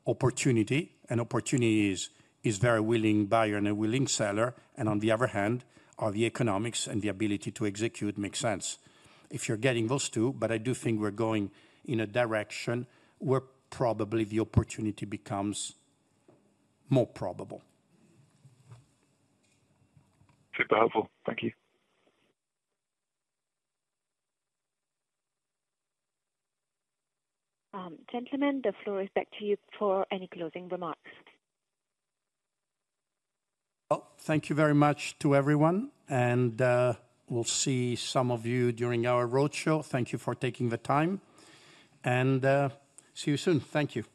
opportunity. And opportunity is very willing buyer and a willing seller. And on the other hand, are the economics and the ability to execute make sense? If you're getting those two, but I do think we're going in a direction where probably the opportunity becomes more probable. Super helpful. Thank you. Gentlemen, the floor is back to you for any closing remarks. Well, thank you very much to everyone. And we'll see some of you during our roadshow. Thank you for taking the time. And see you soon. Thank you.